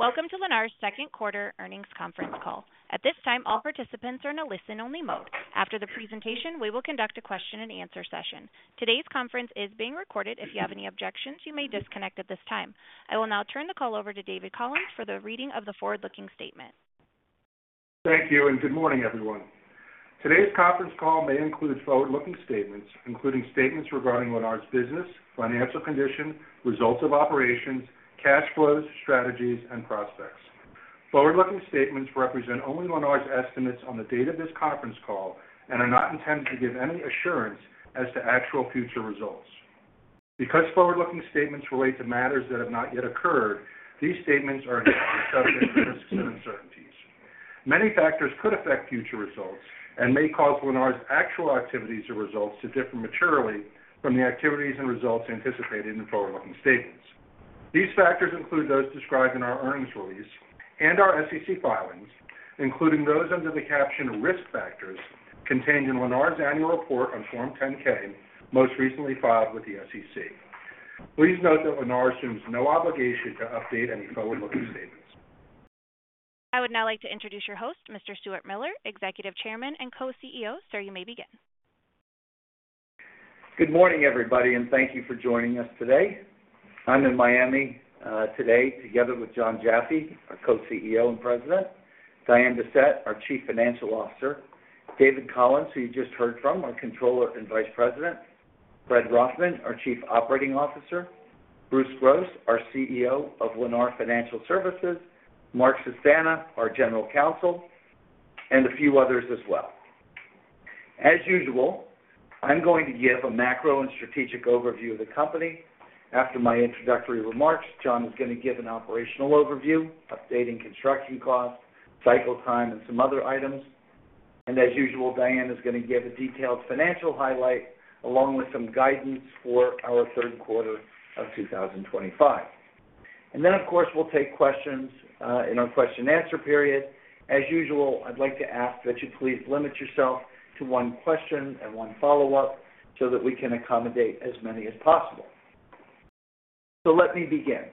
Welcome to Lennar's second quarter earnings conference call. At this time, all participants are in a listen-only mode. After the presentation, we will conduct a question-and-answer session. Today's conference is being recorded. If you have any objections, you may disconnect at this time. I will now turn the call over to David Collins for the reading of the forward-looking statement. Thank you and good morning, everyone. Today's conference call may include forward-looking statements, including statements regarding Lennar's business, financial condition, results of operations, cash flows, strategies, and prospects. Forward-looking statements represent only Lennar's estimates on the date of this conference call and are not intended to give any assurance as to actual future results. Because forward-looking statements relate to matters that have not yet occurred, these statements are subject to risks and uncertainties. Many factors could affect future results and may cause Lennar's actual activities or results to differ materially from the activities and results anticipated in forward-looking statements. These factors include those described in our earnings release and our SEC filings, including those under the caption "Risk Factors" contained in Lennar's annual report on Form 10-K, most recently filed with the SEC. Please note that Lennar assumes no obligation to update any forward-looking statements. I would now like to introduce your host, Mr. Stuart Miller, Executive Chairman and Co-CEO. Sir, you may begin. Good morning, everybody, and thank you for joining us today. I'm in Miami today together with John Jaffe, our Co-CEO and President, Diane Bessette, our Chief Financial Officer, David Collins, who you just heard from, our Controller and Vice President, Fred Rothman, our Chief Operating Officer, Bruce Gross, our CEO of Lennar Financial Services, Mark Cestana, our General Counsel, and a few others as well. As usual, I'm going to give a macro and strategic overview of the company. After my introductory remarks, John is going to give an operational overview, updating construction costs, cycle time, and some other items. As usual, Diane is going to give a detailed financial highlight along with some guidance for our third quarter of 2025. Of course, we'll take questions in our question-and-answer period. As usual, I'd like to ask that you please limit yourself to one question and one follow-up so that we can accommodate as many as possible. Let me begin.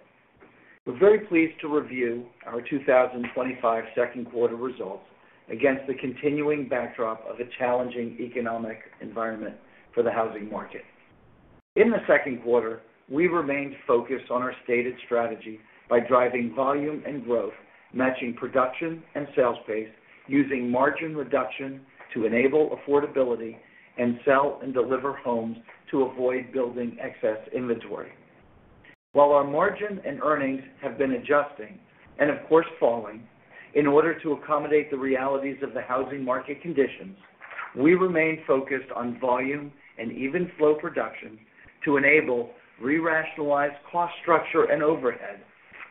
We're very pleased to review our 2025 second quarter results against the continuing backdrop of a challenging economic environment for the housing market. In the second quarter, we remained focused on our stated strategy by driving volume and growth, matching production and sales pace, using margin reduction to enable affordability, and sell and deliver homes to avoid building excess inventory. While our margin and earnings have been adjusting and, of course, falling in order to accommodate the realities of the housing market conditions, we remained focused on volume and even flow production to enable re-rationalized cost structure and overhead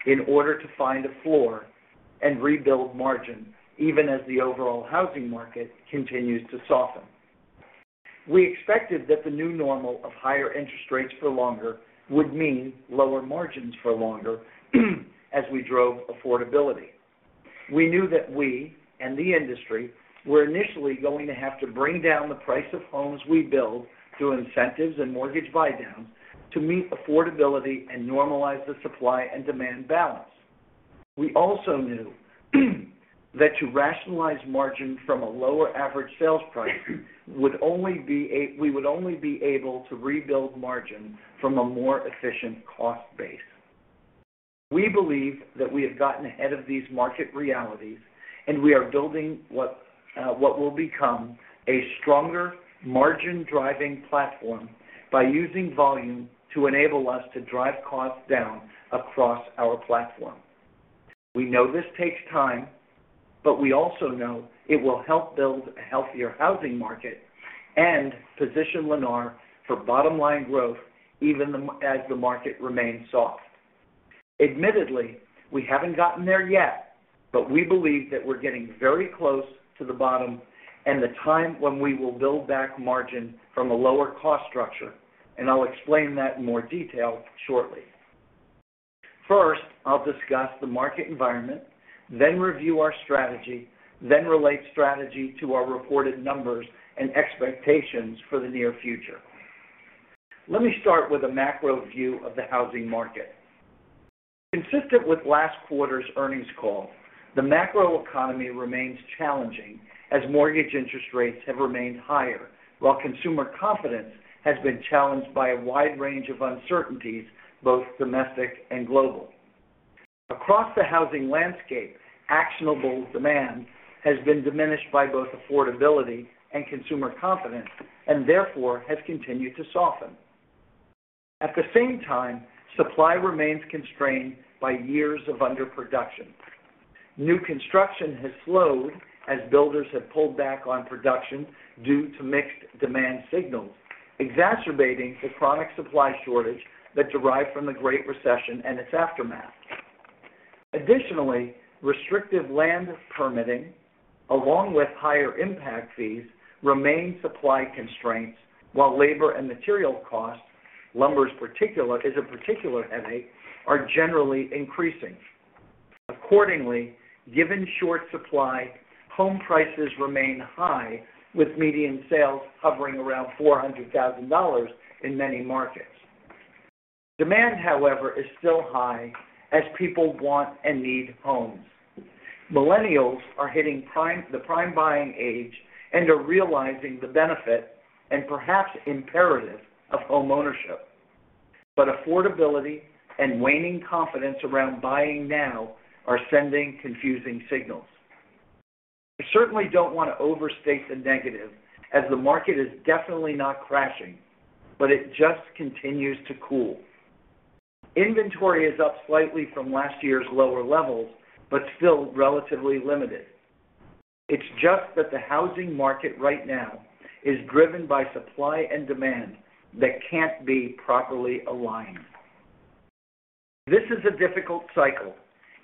in order to find a floor and rebuild margin even as the overall housing market continues to soften. We expected that the new normal of higher interest rates for longer would mean lower margins for longer as we drove affordability. We knew that we and the industry were initially going to have to bring down the price of homes we build through incentives and mortgage buy-downs to meet affordability and normalize the supply and demand balance. We also knew that to rationalize margin from a lower average sales price, we would only be able to rebuild margin from a more efficient cost base. We believe that we have gotten ahead of these market realities, and we are building what will become a stronger margin-driving platform by using volume to enable us to drive costs down across our platform. We know this takes time, but we also know it will help build a healthier housing market and position Lennar for bottom-line growth even as the market remains soft. Admittedly, we have not gotten there yet, but we believe that we are getting very close to the bottom and the time when we will build back margin from a lower cost structure, and I will explain that in more detail shortly. First, I will discuss the market environment, then review our strategy, then relate strategy to our reported numbers and expectations for the near future. Let me start with a macro view of the housing market. Consistent with last quarter's earnings call, the macro economy remains challenging as mortgage interest rates have remained higher, while consumer confidence has been challenged by a wide range of uncertainties, both domestic and global. Across the housing landscape, actionable demand has been diminished by both affordability and consumer confidence, and therefore has continued to soften. At the same time, supply remains constrained by years of underproduction. New construction has slowed as builders have pulled back on production due to mixed demand signals, exacerbating the chronic supply shortage that derived from the Great Recession and its aftermath. Additionally, restrictive land permitting, along with higher impact fees, remain supply constraints, while labor and material costs, lumber in particular is a particular headache, are generally increasing. Accordingly, given short supply, home prices remain high, with median sales hovering around $400,000 in many markets. Demand, however, is still high as people want and need homes. Millennials are hitting the prime buying age and are realizing the benefit and perhaps imperative of homeownership. Affordability and waning confidence around buying now are sending confusing signals. I certainly do not want to overstate the negative as the market is definitely not crashing, it just continues to cool. Inventory is up slightly from last year's lower levels, but still relatively limited. It's just that the housing market right now is driven by supply and demand that can't be properly aligned. This is a difficult cycle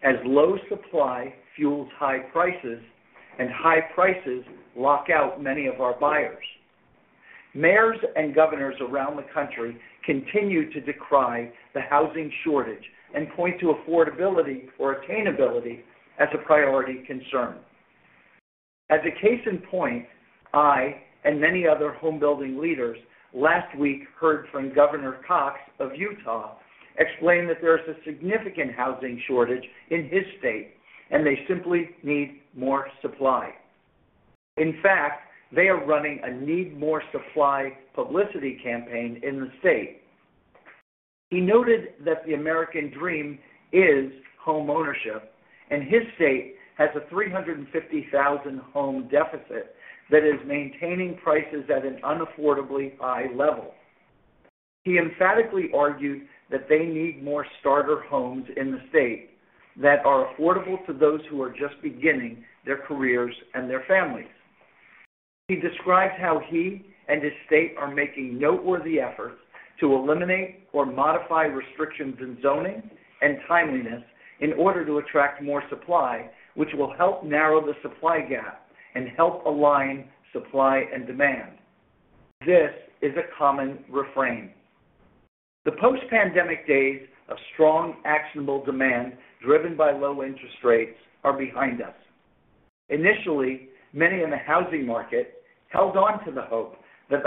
as low supply fuels high prices, and high prices lock out many of our buyers. Mayors and governors around the country continue to decry the housing shortage and point to affordability or attainability as a priority concern. As a case in point, I and many other homebuilding leaders last week heard from Governor Cox of Utah explain that there is a significant housing shortage in his state, and they simply need more supply. In fact, they are running a need more supply publicity campaign in the state. He noted that the American dream is homeownership, and his state has a 350,000 home deficit that is maintaining prices at an unaffordably high level. He emphatically argued that they need more starter homes in the state that are affordable to those who are just beginning their careers and their families. He described how he and his state are making noteworthy efforts to eliminate or modify restrictions in zoning and timeliness in order to attract more supply, which will help narrow the supply gap and help align supply and demand. This is a common refrain. The post-pandemic days of strong actionable demand driven by low interest rates are behind us. Initially, many in the housing market held on to the hope that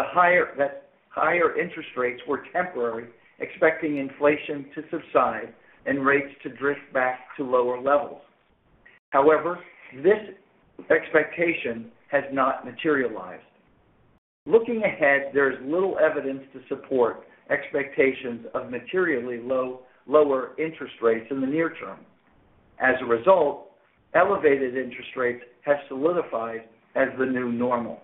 higher interest rates were temporary, expecting inflation to subside and rates to drift back to lower levels. However, this expectation has not materialized. Looking ahead, there is little evidence to support expectations of materially lower interest rates in the near term. As a result, elevated interest rates have solidified as the new normal.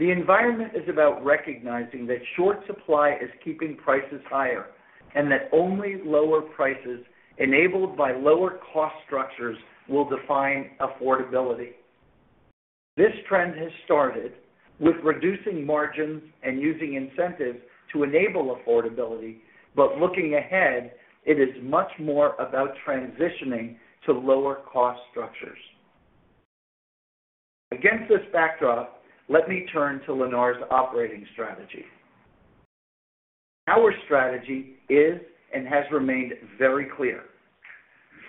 The environment is about recognizing that short supply is keeping prices higher and that only lower prices enabled by lower cost structures will define affordability. This trend has started with reducing margins and using incentives to enable affordability. Looking ahead, it is much more about transitioning to lower cost structures. Against this backdrop, let me turn to Lennar's operating strategy. Our strategy is and has remained very clear.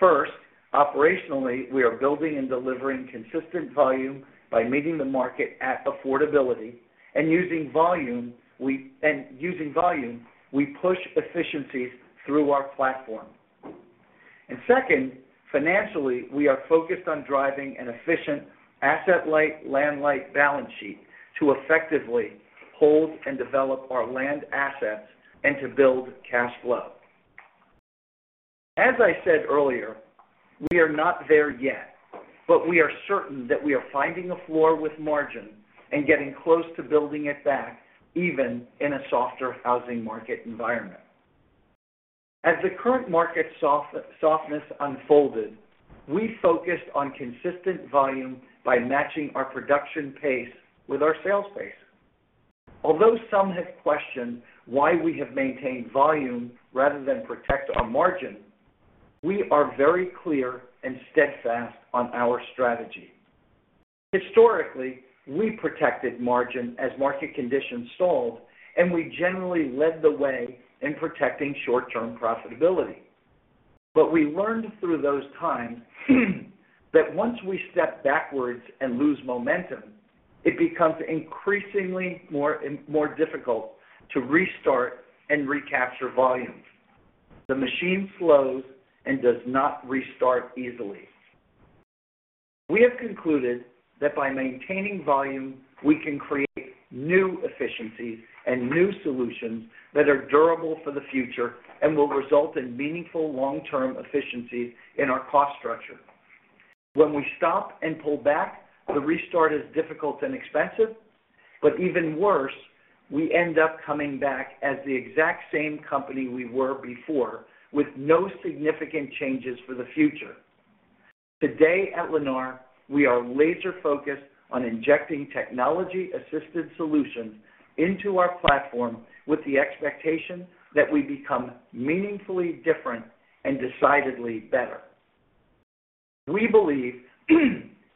First, operationally, we are building and delivering consistent volume by meeting the market at affordability, and using volume, we push efficiencies through our platform. Second, financially, we are focused on driving an efficient asset-light land-light balance sheet to effectively hold and develop our land assets and to build cash flow. As I said earlier, we are not there yet, but we are certain that we are finding a floor with margin and getting close to building it back even in a softer housing market environment. As the current market softness unfolded, we focused on consistent volume by matching our production pace with our sales pace. Although some have questioned why we have maintained volume rather than protect our margin, we are very clear and steadfast on our strategy. Historically, we protected margin as market conditions stalled, and we generally led the way in protecting short-term profitability. We learned through those times that once we step backwards and lose momentum, it becomes increasingly more difficult to restart and recapture volume. The machine slows and does not restart easily. We have concluded that by maintaining volume, we can create new efficiencies and new solutions that are durable for the future and will result in meaningful long-term efficiencies in our cost structure. When we stop and pull back, the restart is difficult and expensive, but even worse, we end up coming back as the exact same company we were before with no significant changes for the future. Today at Lennar, we are laser-focused on injecting technology-assisted solutions into our platform with the expectation that we become meaningfully different and decidedly better. We believe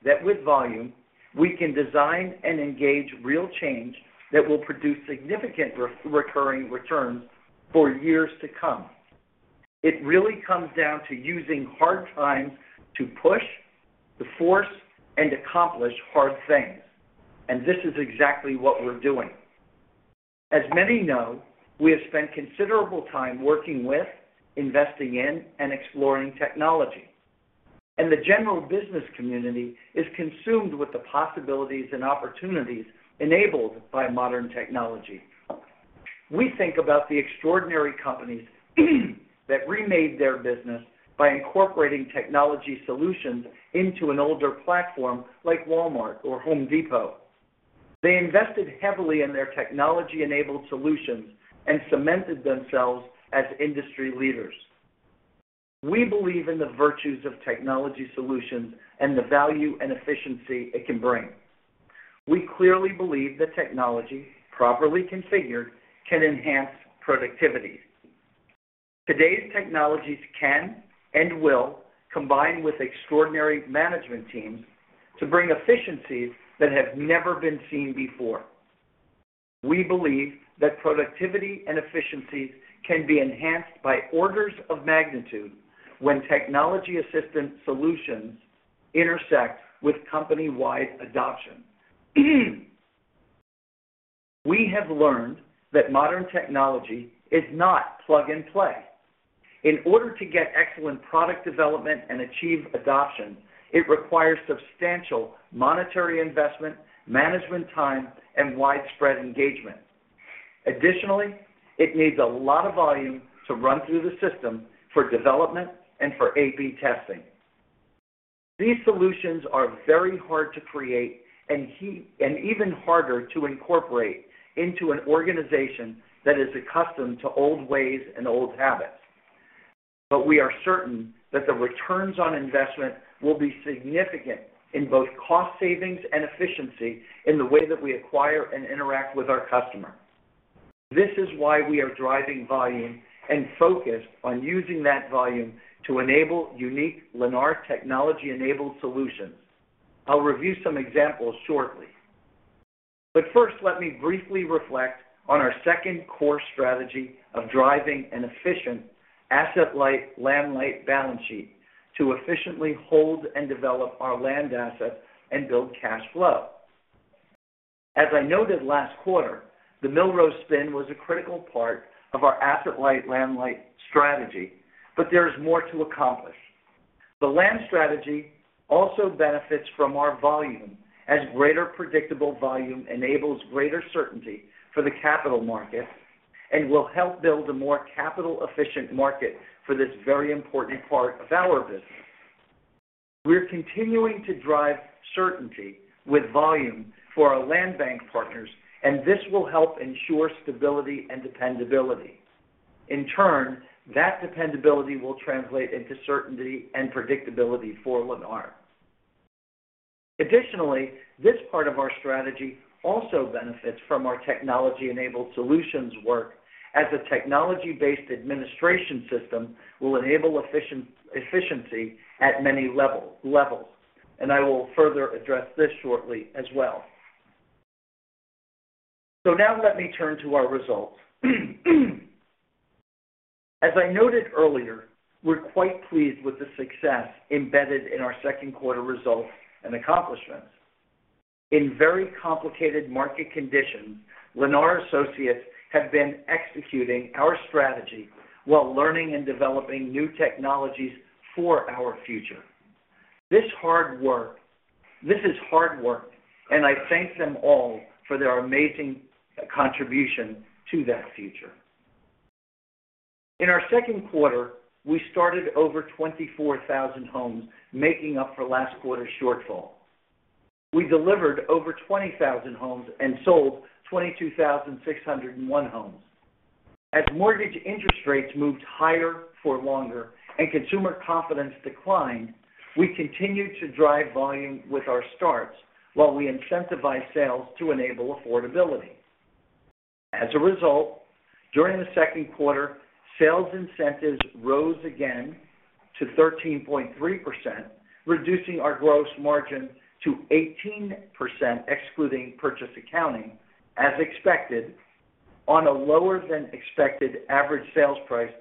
that with volume, we can design and engage real change that will produce significant recurring returns for years to come. It really comes down to using hard times to push, to force, and accomplish hard things, and this is exactly what we're doing. As many know, we have spent considerable time working with, investing in, and exploring technology, and the general business community is consumed with the possibilities and opportunities enabled by modern technology. We think about the extraordinary companies that remade their business by incorporating technology solutions into an older platform like Walmart or Home Depot. They invested heavily in their technology-enabled solutions and cemented themselves as industry leaders. We believe in the virtues of technology solutions and the value and efficiency it can bring. We clearly believe that technology, properly configured, can enhance productivity. Today's technologies can and will combine with extraordinary management teams to bring efficiencies that have never been seen before. We believe that productivity and efficiencies can be enhanced by orders of magnitude when technology-assisted solutions intersect with company-wide adoption. We have learned that modern technology is not plug-and-play. In order to get excellent product development and achieve adoption, it requires substantial monetary investment, management time, and widespread engagement. Additionally, it needs a lot of volume to run through the system for development and for A/B testing. These solutions are very hard to create and even harder to incorporate into an organization that is accustomed to old ways and old habits. We are certain that the returns on investment will be significant in both cost savings and efficiency in the way that we acquire and interact with our customer. This is why we are driving volume and focused on using that volume to enable unique Lennar technology-enabled solutions. I'll review some examples shortly. First, let me briefly reflect on our second core strategy of driving an efficient asset-light land-light balance sheet to efficiently hold and develop our land assets and build cash flow. As I noted last quarter, the Millrose spin was a critical part of our asset-light land-light strategy, but there is more to accomplish. The land strategy also benefits from our volume as greater predictable volume enables greater certainty for the capital market and will help build a more capital-efficient market for this very important part of our business. We're continuing to drive certainty with volume for our land bank partners, and this will help ensure stability and dependability. In turn, that dependability will translate into certainty and predictability for Lennar. Additionally, this part of our strategy also benefits from our technology-enabled solutions work as a technology-based administration system will enable efficiency at many levels, and I will further address this shortly as well. Now let me turn to our results. As I noted earlier, we're quite pleased with the success embedded in our second quarter results and accomplishments. In very complicated market conditions, Lennar associates have been executing our strategy while learning and developing new technologies for our future. This is hard work, and I thank them all for their amazing contribution to that future. In our second quarter, we started over 24,000 homes, making up for last quarter's shortfall. We delivered over 20,000 homes and sold 22,601 homes. As mortgage interest rates moved higher for longer and consumer confidence declined, we continued to drive volume with our starts while we incentivize sales to enable affordability. As a result, during the second quarter, sales incentives rose again to 13.3%, reducing our gross margin to 18% excluding purchase accounting as expected on a lower than expected average sales price.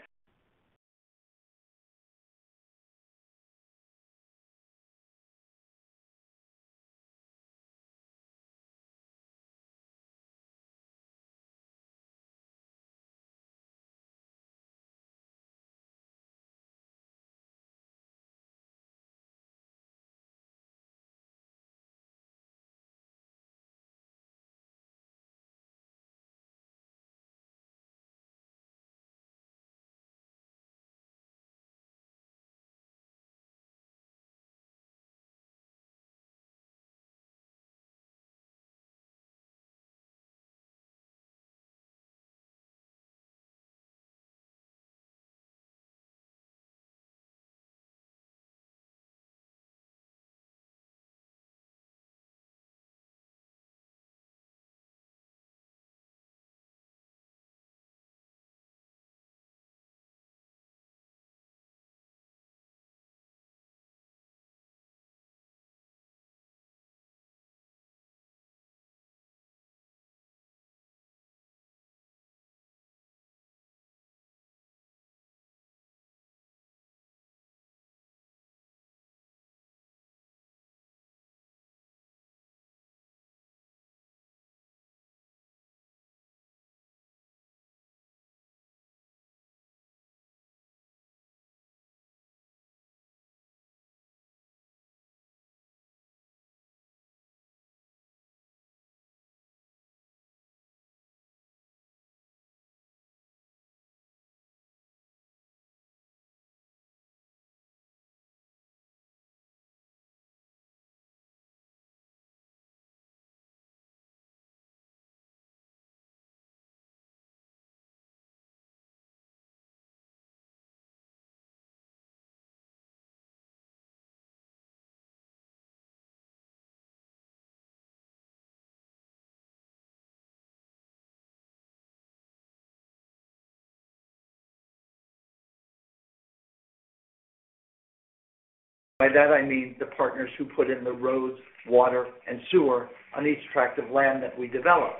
By that, I mean the partners who put in the roads, water, and sewer on each tract of land that we develop.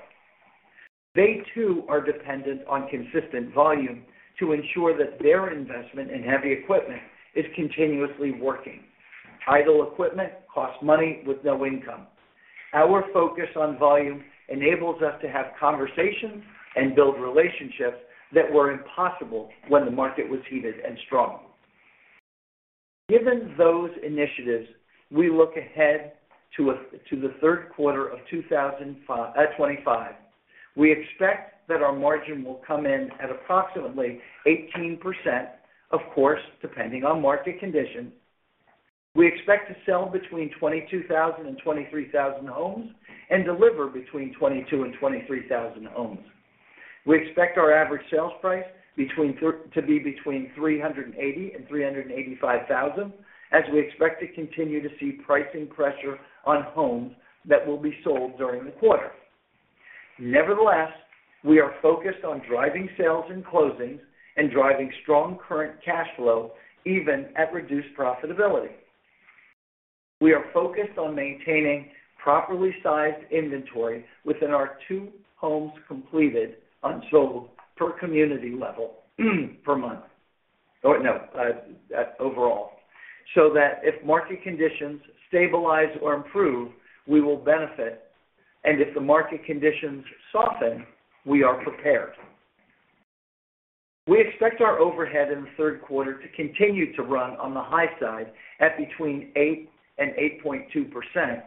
They too are dependent on consistent volume to ensure that their investment in heavy equipment is continuously working. Idle equipment costs money with no income. Our focus on volume enables us to have conversations and build relationships that were impossible when the market was heated and strong. Given those initiatives, we look ahead to the third quarter of 2025. We expect that our margin will come in at approximately 18%, of course, depending on market conditions. We expect to sell between 22,000 and 23,000 homes and deliver between 22,000 and 23,000 homes. We expect our average sales price to be between $380,000 and $385,000, as we expect to continue to see pricing pressure on homes that will be sold during the quarter. Nevertheless, we are focused on driving sales and closings and driving strong current cash flow even at reduced profitability. We are focused on maintaining properly sized inventory within our two homes completed on sold per community level per month, or no, overall, so that if market conditions stabilize or improve, we will benefit, and if the market conditions soften, we are prepared. We expect our overhead in the third quarter to continue to run on the high side at between 8% and 8.2%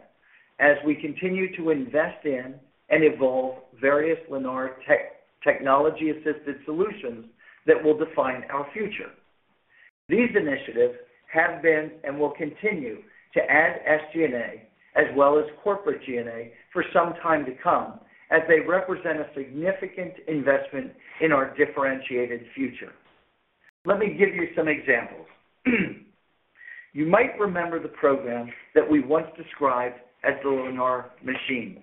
as we continue to invest in and evolve various Lennar technology-assisted solutions that will define our future. These initiatives have been and will continue to add SG&A as well as corporate G&A for some time to come as they represent a significant investment in our differentiated future. Let me give you some examples. You might remember the program that we once described as the Lennar Machine.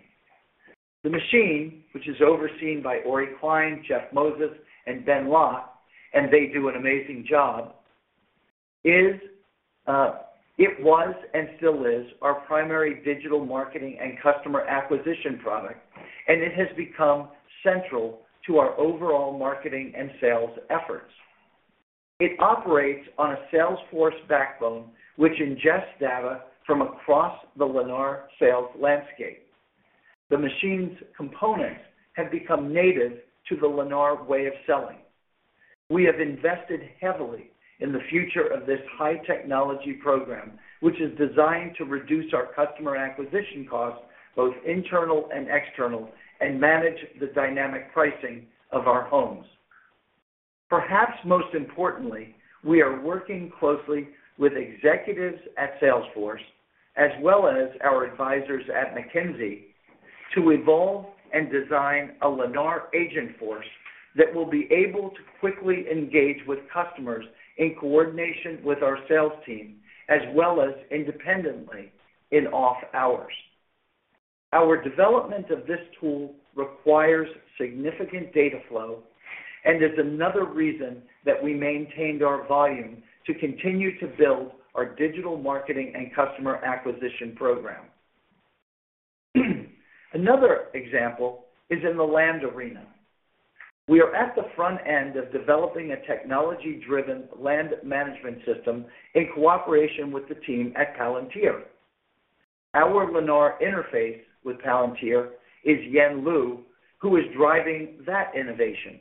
The machine, which is overseen by Ori Klein, Jeff Moses, and Ben Lott, and they do an amazing job, it was and still is our primary digital marketing and customer acquisition product, and it has become central to our overall marketing and sales efforts. It operates on a Salesforce backbone, which ingests data from across the Lennar sales landscape. The machine's components have become native to the Lennar way of selling. We have invested heavily in the future of this high-technology program, which is designed to reduce our customer acquisition costs, both internal and external, and manage the dynamic pricing of our homes. Perhaps most importantly, we are working closely with executives at Salesforce as well as our advisors at McKinsey to evolve and design a Lennar agent force that will be able to quickly engage with customers in coordination with our sales team as well as independently in off-hours. Our development of this tool requires significant data flow and is another reason that we maintained our volume to continue to build our digital marketing and customer acquisition program. Another example is in the land arena. We are at the front end of developing a technology-driven land management system in cooperation with the team at Palantir. Our Lennar interface with Palantir is Yen Liu, who is driving that innovation.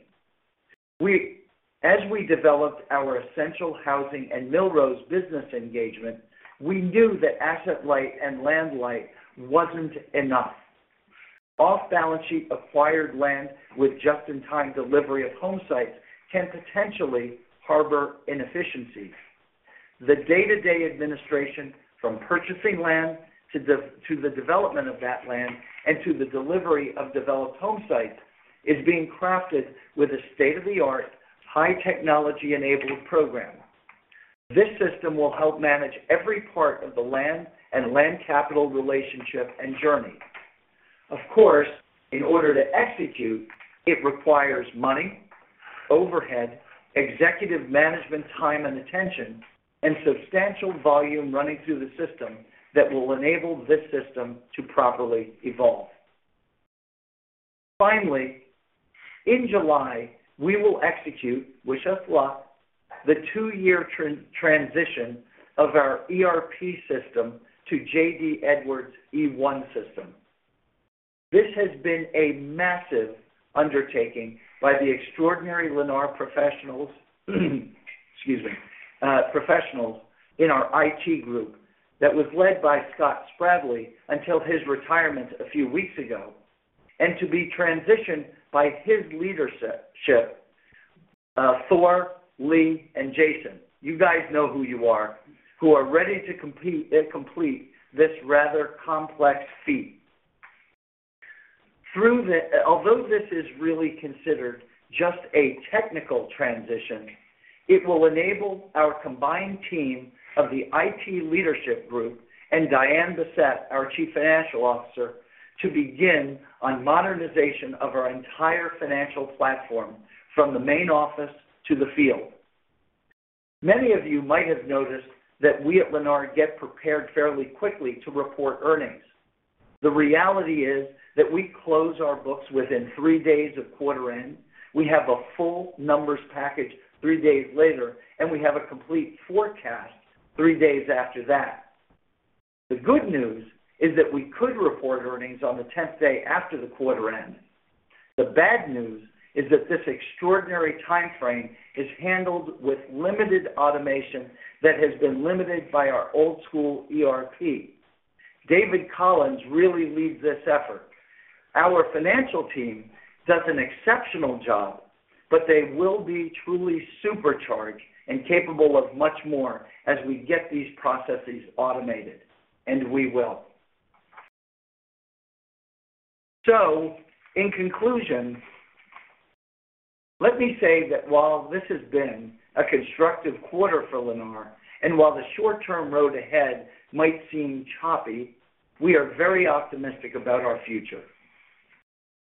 As we developed our essential housing and Millrose business engagement, we knew that asset-light and land-light was not enough. Off-balance sheet acquired land with just-in-time delivery of home sites can potentially harbor inefficiencies. The day-to-day administration from purchasing land to the development of that land and to the delivery of developed home sites is being crafted with a state-of-the-art, high-technology-enabled program. This system will help manage every part of the land and land capital relationship and journey. Of course, in order to execute, it requires money, overhead, executive management time and attention, and substantial volume running through the system that will enable this system to properly evolve. Finally, in July, we will execute, wish us luck, the two-year transition of our ERP system to JD Edwards E1 system. This has been a massive undertaking by the extraordinary Lennar professionals in our IT group that was led by Scott Spragley until his retirement a few weeks ago and to be transitioned by his leadership, Thor, Lee, and Jason. You guys know who you are, who are ready to complete this rather complex feat. Although this is really considered just a technical transition, it will enable our combined team of the IT leadership group and Diane Bessette, our Chief Financial Officer, to begin on modernization of our entire financial platform from the main office to the field. Many of you might have noticed that we at Lennar get prepared fairly quickly to report earnings. The reality is that we close our books within three days of quarter-end. We have a full numbers package three days later, and we have a complete forecast three days after that. The good news is that we could report earnings on the 10th day after the quarter-end. The bad news is that this extraordinary timeframe is handled with limited automation that has been limited by our old-school ERP. David Collins really leads this effort. Our financial team does an exceptional job, but they will be truly supercharged and capable of much more as we get these processes automated, and we will. In conclusion, let me say that while this has been a constructive quarter for Lennar and while the short-term road ahead might seem choppy, we are very optimistic about our future.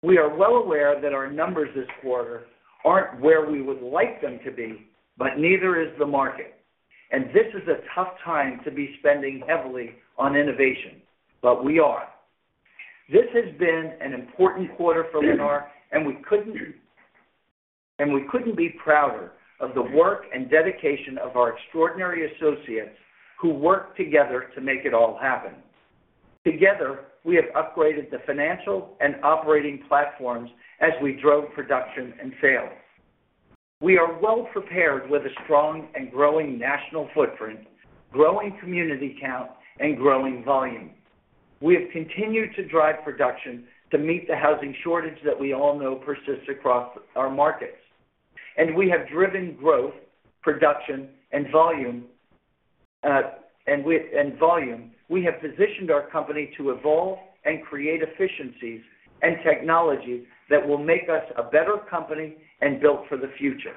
We are well aware that our numbers this quarter are not where we would like them to be, but neither is the market. This is a tough time to be spending heavily on innovation, but we are. This has been an important quarter for Lennar, and we could not be prouder of the work and dedication of our extraordinary associates who worked together to make it all happen. Together, we have upgraded the financial and operating platforms as we drove production and sales. We are well prepared with a strong and growing national footprint, growing community count, and growing volume. We have continued to drive production to meet the housing shortage that we all know persists across our markets. We have driven growth, production, and volume. We have positioned our company to evolve and create efficiencies and technologies that will make us a better company and built for the future.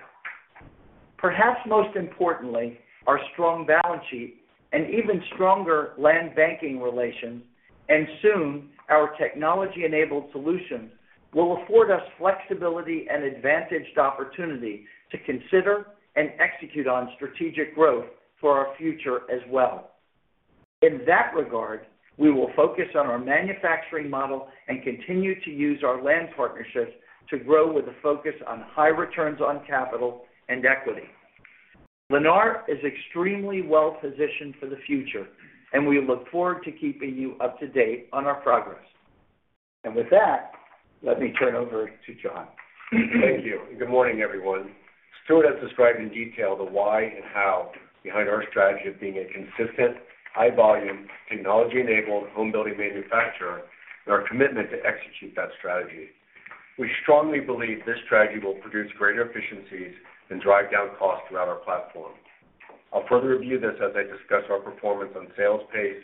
Perhaps most importantly, our strong balance sheet and even stronger land banking relations and soon our technology-enabled solutions will afford us flexibility and advantaged opportunity to consider and execute on strategic growth for our future as well. In that regard, we will focus on our manufacturing model and continue to use our land partnerships to grow with a focus on high returns on capital and equity. Lennar is extremely well positioned for the future, and we look forward to keeping you up to date on our progress. Let me turn over to John. Thank you. Good morning, everyone. Stuart has described in detail the why and how behind our strategy of being a consistent, high-volume, technology-enabled homebuilding manufacturer and our commitment to execute that strategy. We strongly believe this strategy will produce greater efficiencies and drive down costs throughout our platform. I'll further review this as I discuss our performance on sales pace,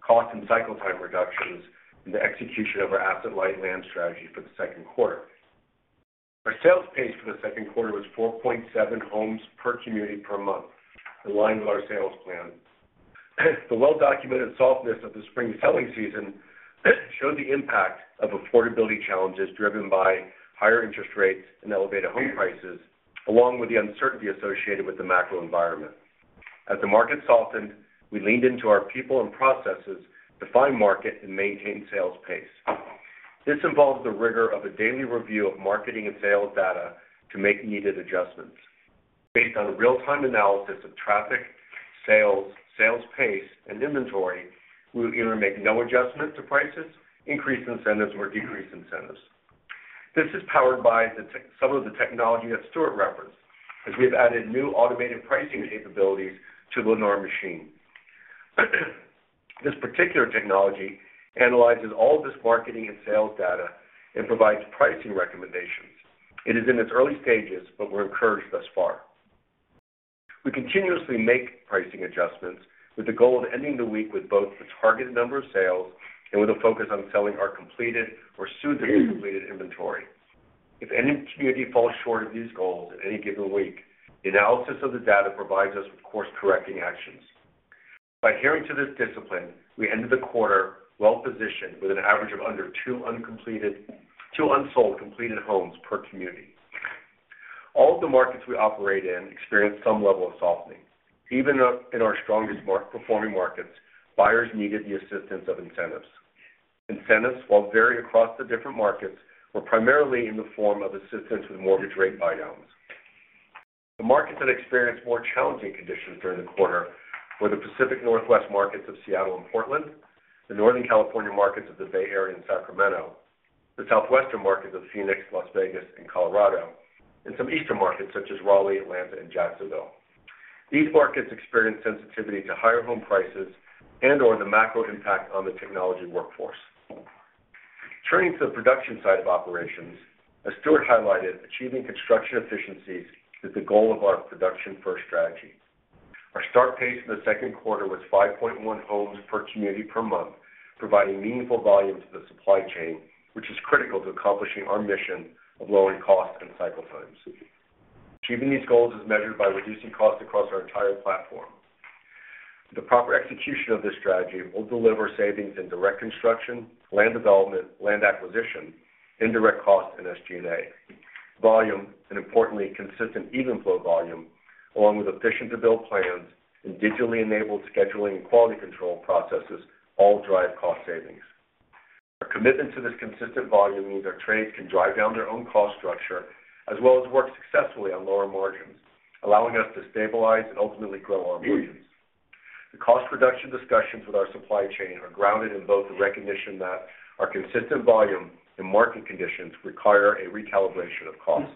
cost, and cycle time reductions in the execution of our asset-light land strategy for the second quarter. Our sales pace for the second quarter was 4.7 homes per community per month, in line with our sales plan. The well-documented softness of the spring selling season showed the impact of affordability challenges driven by higher interest rates and elevated home prices, along with the uncertainty associated with the macro environment. As the market softened, we leaned into our people and processes to find market and maintain sales pace. This involves the rigor of a daily review of marketing and sales data to make needed adjustments. Based on real-time analysis of traffic, sales, sales pace, and inventory, we will either make no adjustment to prices, increase incentives, or decrease incentives. This is powered by some of the technology that Stuart referenced, as we have added new automated pricing capabilities to the Lennar Machine. This particular technology analyzes all of this marketing and sales data and provides pricing recommendations. It is in its early stages, but we're encouraged thus far. We continuously make pricing adjustments with the goal of ending the week with both the targeted number of sales and with a focus on selling our completed or soon-to-be completed inventory. If any community falls short of these goals at any given week, the analysis of the data provides us with course-correcting actions. By adhering to this discipline, we ended the quarter well positioned with an average of under two unsold completed homes per community. All of the markets we operate in experienced some level of softening. Even in our strongest performing markets, buyers needed the assistance of incentives. Incentives, while varying across the different markets, were primarily in the form of assistance with mortgage rate buy-downs. The markets that experienced more challenging conditions during the quarter were the Pacific Northwest markets of Seattle and Portland, the Northern California markets of the Bay Area and Sacramento, the Southwestern markets of Phoenix, Las Vegas, and Colorado, and some Eastern markets such as Raleigh, Atlanta, and Jacksonville. These markets experienced sensitivity to higher home prices and/or the macro impact on the technology workforce. Turning to the production side of operations, as Stuart highlighted, achieving construction efficiencies is the goal of our production-first strategy. Our start pace in the second quarter was 5.1 homes per community per month, providing meaningful volume to the supply chain, which is critical to accomplishing our mission of lowering costs and cycle times. Achieving these goals is measured by reducing costs across our entire platform. The proper execution of this strategy will deliver savings in direct construction, land development, land acquisition, indirect costs, and SG&A. Volume, and importantly, consistent even-flow volume, along with efficient to-build plans and digitally-enabled scheduling and quality control processes, all drive cost savings. Our commitment to this consistent volume means our trades can drive down their own cost structure as well as work successfully on lower margins, allowing us to stabilize and ultimately grow our margins. The cost reduction discussions with our supply chain are grounded in both the recognition that our consistent volume and market conditions require a recalibration of costs.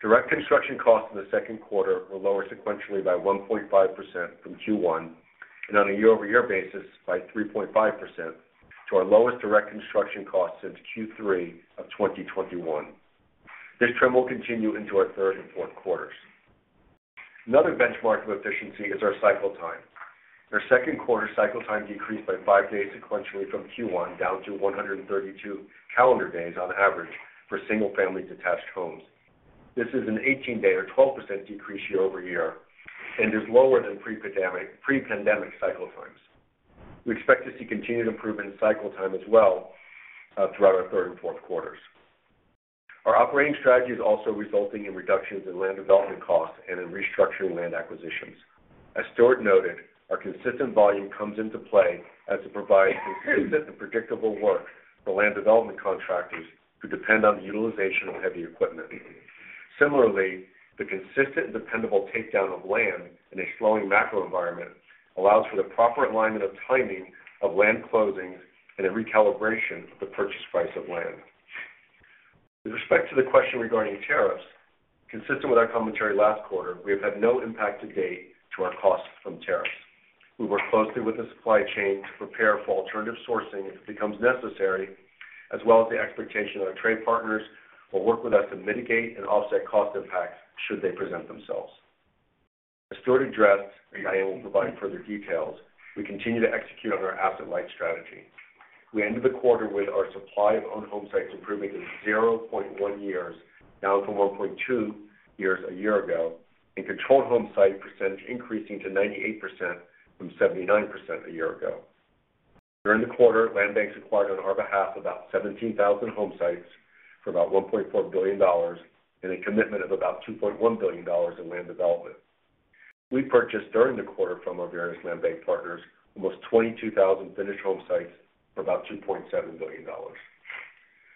Direct construction costs in the second quarter were lower sequentially by 1.5% from Q1 and on a year-over-year basis by 3.5% to our lowest direct construction costs since Q3 of 2021. This trend will continue into our third and fourth quarters. Another benchmark of efficiency is our cycle time. Our second quarter cycle time decreased by five days sequentially from Q1 down to 132 calendar days on average for single-family detached homes. This is an 18-day or 12% decrease year-over-year and is lower than pre-pandemic cycle times. We expect to see continued improvement in cycle time as well throughout our third and fourth quarters. Our operating strategy is also resulting in reductions in land development costs and in restructuring land acquisitions. As Stuart noted, our consistent volume comes into play as it provides consistent and predictable work for land development contractors who depend on the utilization of heavy equipment. Similarly, the consistent and dependable takedown of land in a slowing macro environment allows for the proper alignment of timing of land closings and a recalibration of the purchase price of land. With respect to the question regarding tariffs, consistent with our commentary last quarter, we have had no impact to date to our costs from tariffs. We work closely with the supply chain to prepare for alternative sourcing if it becomes necessary, as well as the expectation that our trade partners will work with us to mitigate and offset cost impacts should they present themselves. As Stuart addressed, and Diane will provide further details, we continue to execute on our asset-light strategy. We ended the quarter with our supply of owned home sites improving to 0.1 years, down from 1.2 years a year ago, and controlled home site percentage increasing to 98% from 79% a year ago. During the quarter, Land Bank acquired on our behalf about 17,000 home sites for about $1.4 billion and a commitment of about $2.1 billion in land development. We purchased during the quarter from our various Land Bank partners almost 22,000 finished home sites for about $2.7 billion.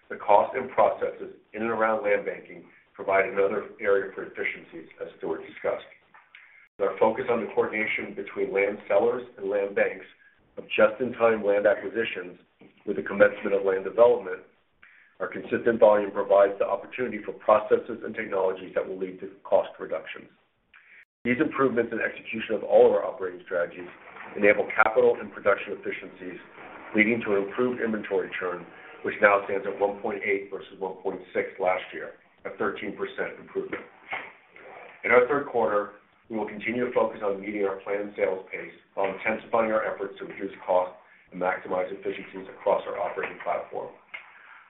The cost and processes in and around Land Banking provide another area for efficiencies, as Stuart discussed. Our focus on the coordination between land sellers and Land Banks of just-in-time land acquisitions with the commencement of land development. Our consistent volume provides the opportunity for processes and technologies that will lead to cost reductions. These improvements in execution of all of our operating strategies enable capital and production efficiencies, leading to an improved inventory turn, which now stands at 1.8 versus 1.6 last year, a 13% improvement. In our third quarter, we will continue to focus on meeting our planned sales pace while intensifying our efforts to reduce costs and maximize efficiencies across our operating platform.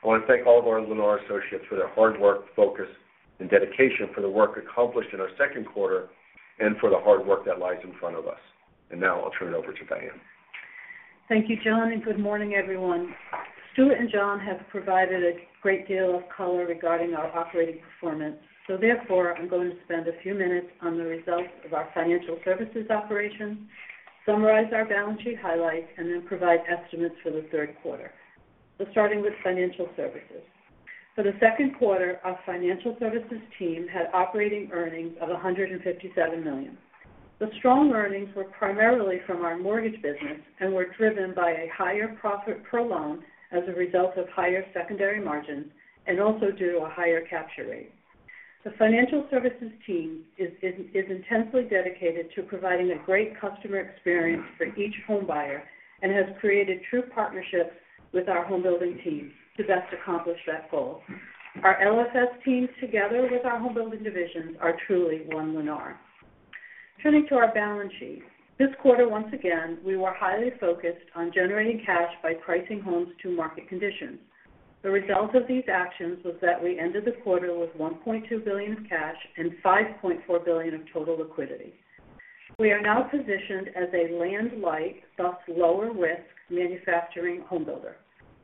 I want to thank all of our Lennar associates for their hard work, focus, and dedication for the work accomplished in our second quarter and for the hard work that lies in front of us. Now I'll turn it over to Diane. Thank you, John, and good morning, everyone. Stuart and John have provided a great deal of color regarding our operating performance. Therefore, I'm going to spend a few minutes on the results of our financial services operation, summarize our balance sheet highlights, and then provide estimates for the third quarter. Starting with financial services. For the second quarter, our financial services team had operating earnings of $157 million. The strong earnings were primarily from our mortgage business and were driven by a higher profit per loan as a result of higher secondary margins and also due to a higher capture rate. The financial services team is intensely dedicated to providing a great customer experience for each homebuyer and has created true partnerships with our home-building teams to best accomplish that goal. Our LFS team, together with our home-building divisions, are truly one Lennar. Turning to our balance sheet, this quarter, once again, we were highly focused on generating cash by pricing homes to market conditions. The result of these actions was that we ended the quarter with $1.2 billion of cash and $5.4 billion of total liquidity. We are now positioned as a land-light, thus lower-risk manufacturing home builder.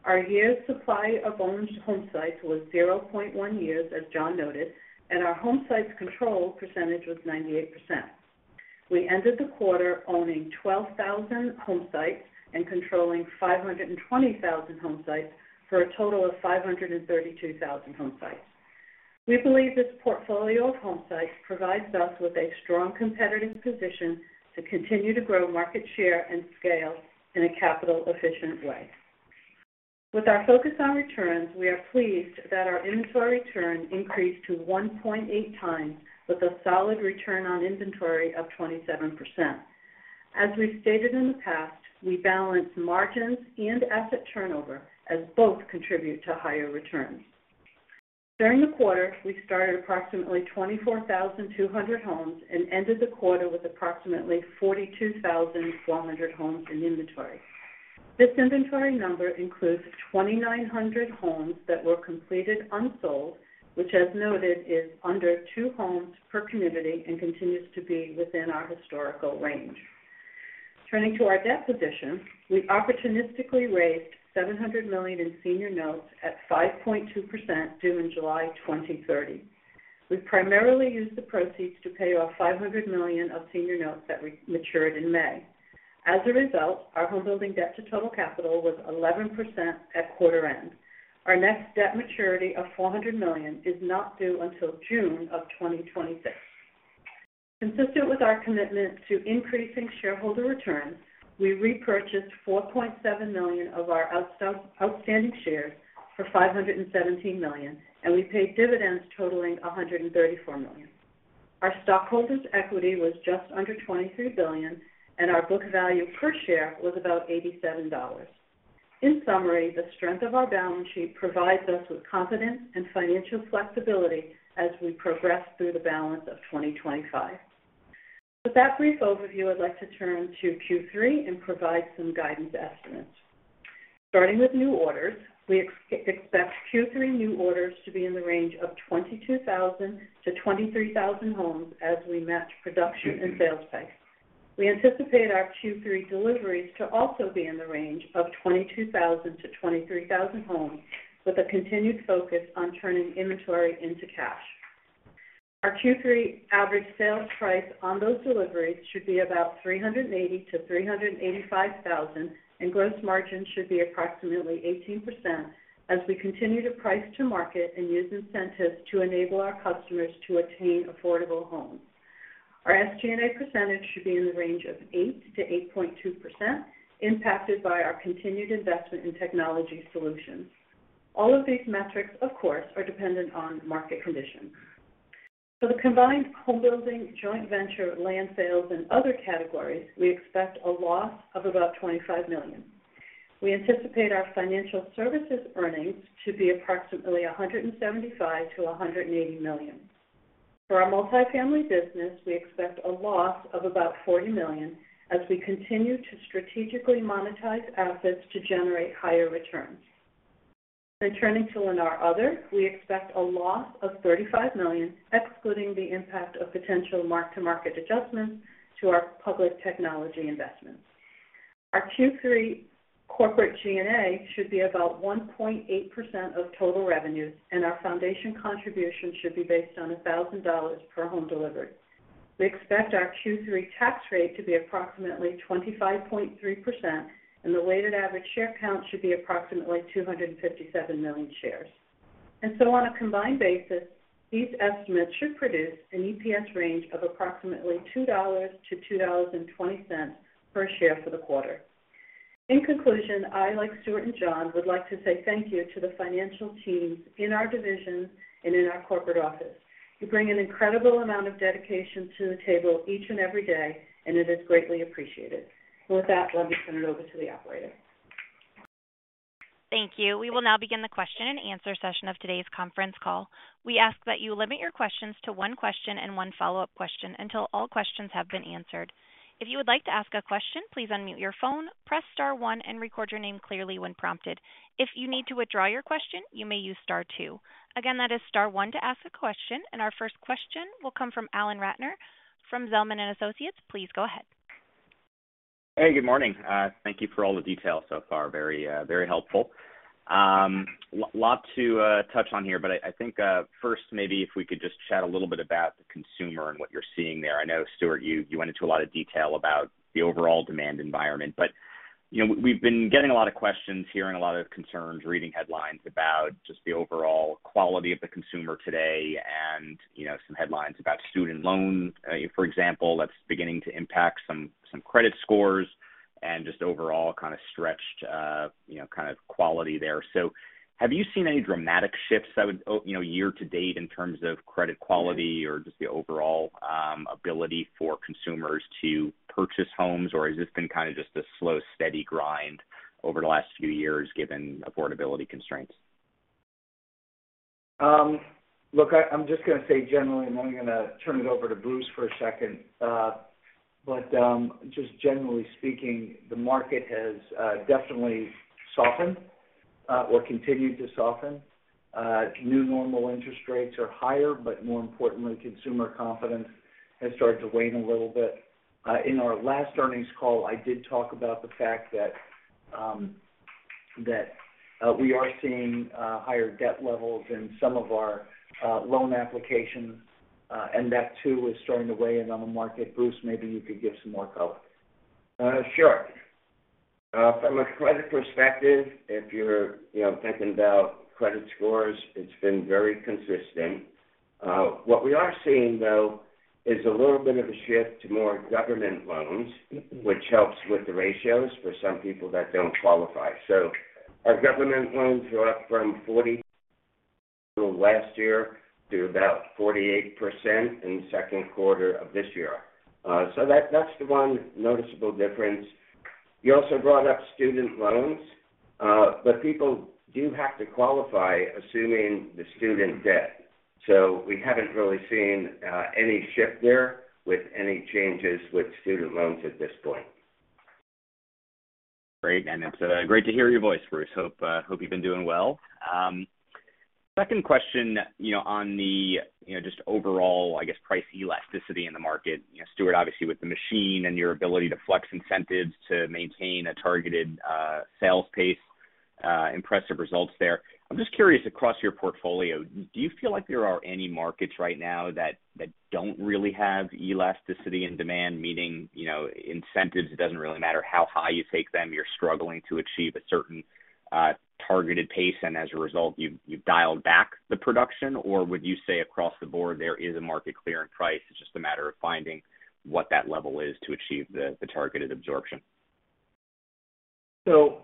Our year's supply of owned home sites was 0.1 years, as John noted, and our home sites control percentage was 98%. We ended the quarter owning 12,000 home sites and controlling 520,000 home sites for a total of 532,000 home sites. We believe this portfolio of home sites provides us with a strong competitive position to continue to grow market share and scale in a capital-efficient way. With our focus on returns, we are pleased that our inventory turn increased to 1.8 times, with a solid return on inventory of 27%. As we've stated in the past, we balance margins and asset turnover, as both contribute to higher returns. During the quarter, we started approximately 24,200 homes and ended the quarter with approximately 42,400 homes in inventory. This inventory number includes 2,900 homes that were completed unsold, which, as noted, is under two homes per community and continues to be within our historical range. Turning to our debt position, we opportunistically raised $700 million in senior notes at 5.2% due in July 2030. We primarily used the proceeds to pay off $500 million of senior notes that matured in May. As a result, our homebuilding debt to total capital was 11% at quarter end. Our next debt maturity of $400 million is not due until June of 2026. Consistent with our commitment to increasing shareholder returns, we repurchased 4.7 million of our outstanding shares for $517 million, and we paid dividends totaling $134 million. Our stockholders' equity was just under $23 billion, and our book value per share was about $87. In summary, the strength of our balance sheet provides us with confidence and financial flexibility as we progress through the balance of 2025. With that brief overview, I'd like to turn to Q3 and provide some guidance estimates. Starting with new orders, we expect Q3 new orders to be in the range of 22,000-23,000 homes as we match production and sales pace. We anticipate our Q3 deliveries to also be in the range of 22,000-23,000 homes, with a continued focus on turning inventory into cash. Our Q3 average sales price on those deliveries should be about $380,000-$385,000, and gross margin should be approximately 18% as we continue to price to market and use incentives to enable our customers to attain affordable homes. Our SG&A percentage should be in the range of 8-8.2%, impacted by our continued investment in technology solutions. All of these metrics, of course, are dependent on market conditions. For the combined homebuilding, joint venture, land sales, and other categories, we expect a loss of about $25 million. We anticipate our financial services earnings to be approximately $175-$180 million. For our multifamily business, we expect a loss of about $40 million as we continue to strategically monetize assets to generate higher returns. Turning to Lennar Other, we expect a loss of $35 million, excluding the impact of potential mark-to-market adjustments to our public technology investments. Our Q3 corporate G&A should be about 1.8% of total revenues, and our foundation contribution should be based on $1,000 per home delivery. We expect our Q3 tax rate to be approximately 25.3%, and the weighted average share count should be approximately 257 million shares. On a combined basis, these estimates should produce an EPS range of approximately $2-$2.20 per share for the quarter. In conclusion, I, like Stuart and John, would like to say thank you to the financial teams in our division and in our corporate office. You bring an incredible amount of dedication to the table each and every day, and it is greatly appreciated. With that, let me turn it over to the operator. Thank you. We will now begin the question-and-answer session of today's conference call. We ask that you limit your questions to one question and one follow-up question until all questions have been answered. If you would like to ask a question, please unmute your phone, press star one, and record your name clearly when prompted. If you need to withdraw your question, you may use star two. Again, that is star one to ask a question, and our first question will come from Alan Ratner from Zelman & Associates. Please go ahead. Hey, good morning. Thank you for all the details so far. Very helpful. Lot to touch on here, but I think first, maybe if we could just chat a little bit about the consumer and what you're seeing there. I know, Stuart, you went into a lot of detail about the overall demand environment, but we've been getting a lot of questions, hearing a lot of concerns, reading headlines about just the overall quality of the consumer today and some headlines about student loans, for example, that's beginning to impact some credit scores and just overall kind of stretched kind of quality there. Have you seen any dramatic shifts year to date in terms of credit quality or just the overall ability for consumers to purchase homes, or has this been kind of just a slow, steady grind over the last few years given affordability constraints? Look, I'm just going to say generally, and then I'm going to turn it over to Bruce for a second. Just generally speaking, the market has definitely softened or continued to soften. New normal interest rates are higher, but more importantly, consumer confidence has started to wane a little bit. In our last earnings call, I did talk about the fact that we are seeing higher debt levels in some of our loan applications, and that too is starting to weigh in on the market. Bruce, maybe you could give some more color. Sure.From a credit perspective, if you're thinking about credit scores, it's been very consistent. What we are seeing, though, is a little bit of a shift to more government loans, which helps with the ratios for some people that don't qualify. So our government loans were up from 40% last year to about 48% in the second quarter of this year. That's the one noticeable difference. You also brought up student loans, but people do have to qualify, assuming the student debt. We haven't really seen any shift there with any changes with student loans at this point. Great. It's great to hear your voice, Bruce. Hope you've been doing well. Second question on the just overall, I guess, price elasticity in the market. Stuart, obviously, with the machine and your ability to flex incentives to maintain a targeted sales pace, impressive results there. I'm just curious, across your portfolio, do you feel like there are any markets right now that do not really have elasticity in demand, meaning incentives? It does not really matter how high you take them. You are struggling to achieve a certain targeted pace, and as a result, you have dialed back the production, or would you say across the board, there is a market clear in price? It is just a matter of finding what that level is to achieve the targeted absorption? I will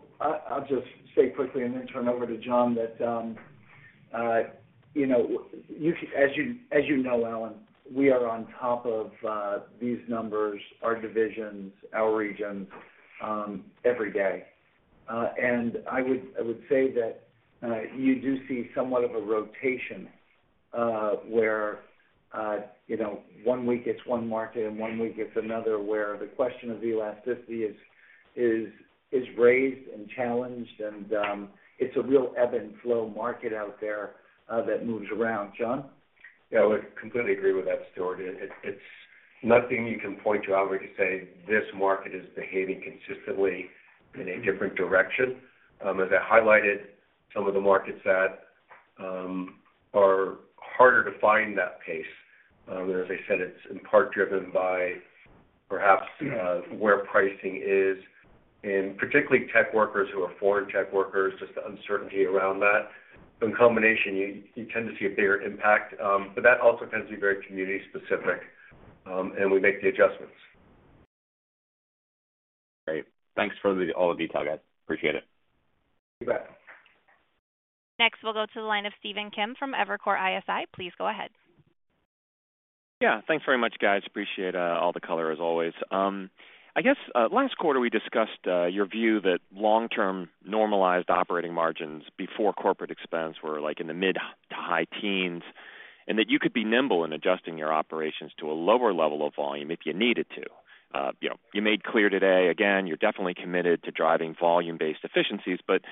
just say quickly and then turn over to John that, as you know, Alan, we are on top of these numbers, our divisions, our regions, every day. I would say that you do see somewhat of a rotation where one week it's one market and one week it's another, where the question of elasticity is raised and challenged, and it's a real ebb and flow market out there that moves around. John? Yeah, I would completely agree with that, Stuart. It's nothing you can point to, Alan, where you say, "This market is behaving consistently in a different direction." As I highlighted, some of the markets that are harder to find that pace. As I said, it's in part driven by perhaps where pricing is, and particularly tech workers who are foreign tech workers, just the uncertainty around that. In combination, you tend to see a bigger impact, but that also tends to be very community-specific, and we make the adjustments. Great. Thanks for all the detail, guys. Appreciate it. You bet. Next, we'll go to the line of Steven Kim from Evercore ISI. Please go ahead. Yeah. Thanks very much, guys. Appreciate all the color, as always. I guess last quarter, we discussed your view that long-term normalized operating margins before corporate expense were in the mid to high teens and that you could be nimble in adjusting your operations to a lower level of volume if you needed to. You made clear today, again, you're definitely committed to driving volume-based efficiencies, but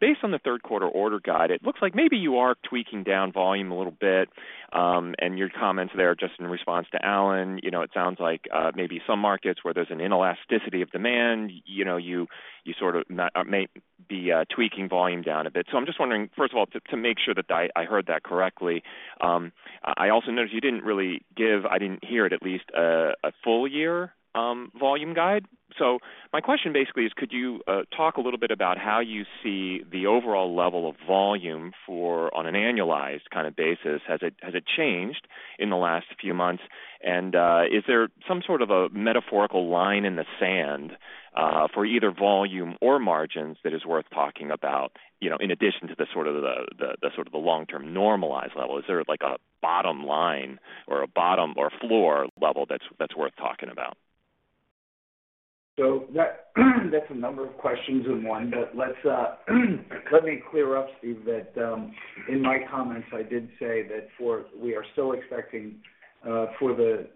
based on the third quarter order guide, it looks like maybe you are tweaking down volume a little bit, and your comments there, just in response to Alan, it sounds like maybe some markets where there's an inelasticity of demand, you sort of may be tweaking volume down a bit. I'm just wondering, first of all, to make sure that I heard that correctly, I also noticed you didn't really give—I didn't hear it—at least a full-year volume guide. My question basically is, could you talk a little bit about how you see the overall level of volume on an annualized kind of basis? Has it changed in the last few months? Is there some sort of a metaphorical line in the sand for either volume or margins that is worth talking about in addition to the sort of the long-term normalized level? Is there a bottom line or a bottom or floor level that's worth talking about? That's a number of questions in one, but let me clear up, Steve, that in my comments, I did say that we are still expecting for the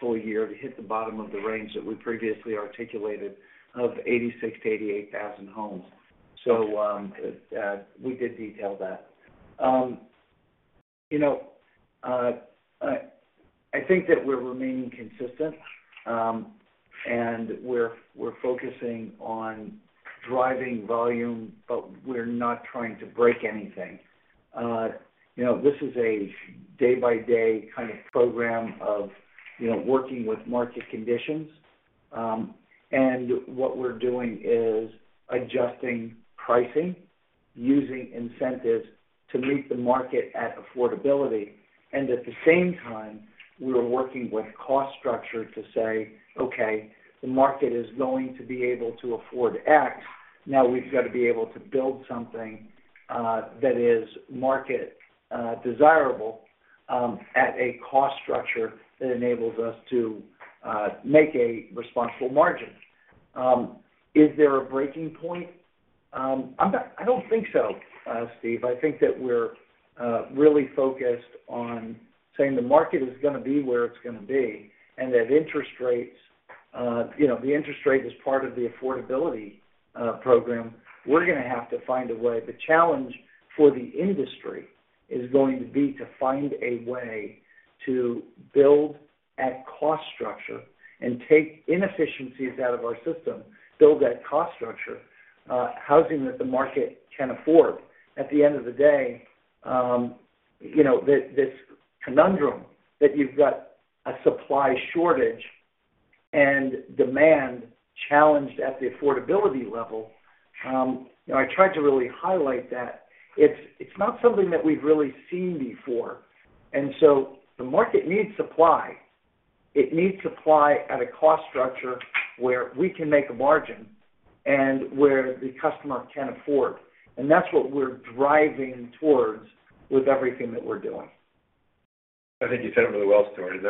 full year to hit the bottom of the range that we previously articulated of 86,000-88,000 homes. We did detail that. I think that we're remaining consistent, and we're focusing on driving volume, but we're not trying to break anything. This is a day-by-day kind of program of working with market conditions, and what we're doing is adjusting pricing, using incentives to meet the market at affordability. At the same time, we're working with cost structure to say, "Okay, the market is going to be able to afford X. Now we've got to be able to build something that is market desirable at a cost structure that enables us to make a responsible margin." Is there a breaking point? I do not think so, Steve. I think that we are really focused on saying the market is going to be where it is going to be, and that interest rates—the interest rate is part of the affordability program—we are going to have to find a way. The challenge for the industry is going to be to find a way to build at cost structure and take inefficiencies out of our system, build that cost structure, housing that the market can afford. At the end of the day, this conundrum that you have got a supply shortage and demand challenged at the affordability level, I tried to really highlight that. It is not something that we have really seen before. The market needs supply. It needs supply at a cost structure where we can make a margin and where the customer can afford. That is what we are driving towards with everything that we are doing. I think you said it really well, Stuart.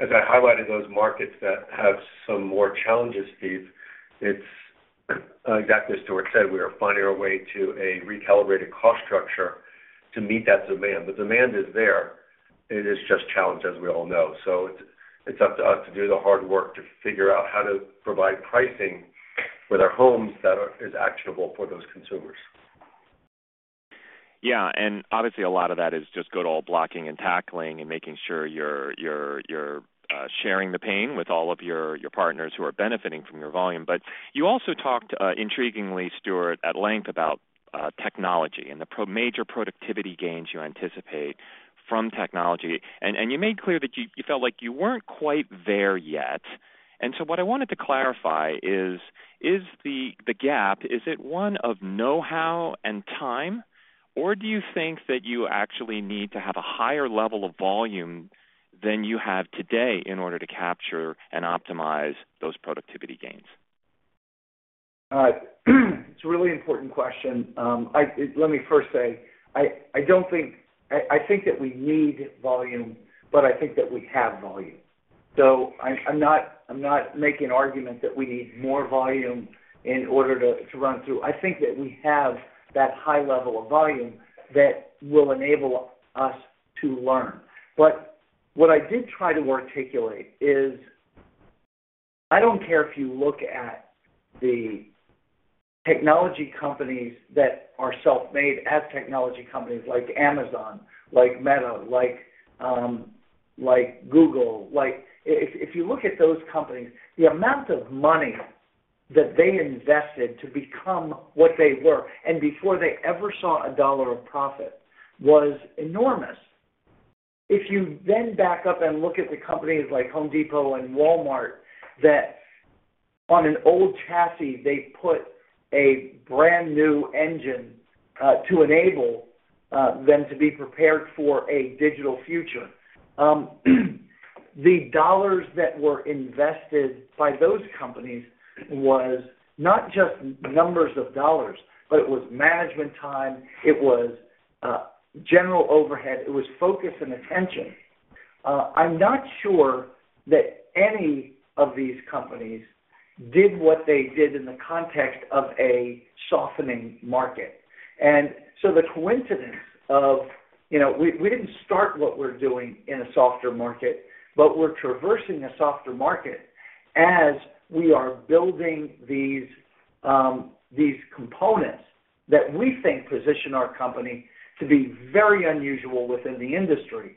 As I highlighted those markets that have some more challenges, Steve, it's exactly as Stuart said. We are finding our way to a recalibrated cost structure to meet that demand. The demand is there. It is just challenged, as we all know. It is up to us to do the hard work to figure out how to provide pricing for their homes that is actionable for those consumers. Yeah. Obviously, a lot of that is just good old blocking and tackling and making sure you're sharing the pain with all of your partners who are benefiting from your volume. You also talked, intriguingly, Stuart, at length about technology and the major productivity gains you anticipate from technology. You made clear that you felt like you were not quite there yet. What I wanted to clarify is, is the gap, is it one of know-how and time, or do you think that you actually need to have a higher level of volume than you have today in order to capture and optimize those productivity gains? It's a really important question. Let me first say, I don't think—I think that we need volume, but I think that we have volume. So I'm not making an argument that we need more volume in order to run through. I think that we have that high level of volume that will enable us to learn. What I did try to articulate is, I don't care if you look at the technology companies that are self-made as technology companies like Amazon, like Meta, like Google. If you look at those companies, the amount of money that they invested to become what they were and before they ever saw a dollar of profit was enormous. If you then back up and look at the companies like Home Depot and Walmart that on an old chassis, they put a brand new engine to enable them to be prepared for a digital future. The dollars that were invested by those companies was not just numbers of dollars, but it was management time. It was general overhead. It was focus and attention. I'm not sure that any of these companies did what they did in the context of a softening market. The coincidence is we did not start what we are doing in a softer market, but we are traversing a softer market as we are building these components that we think position our company to be very unusual within the industry.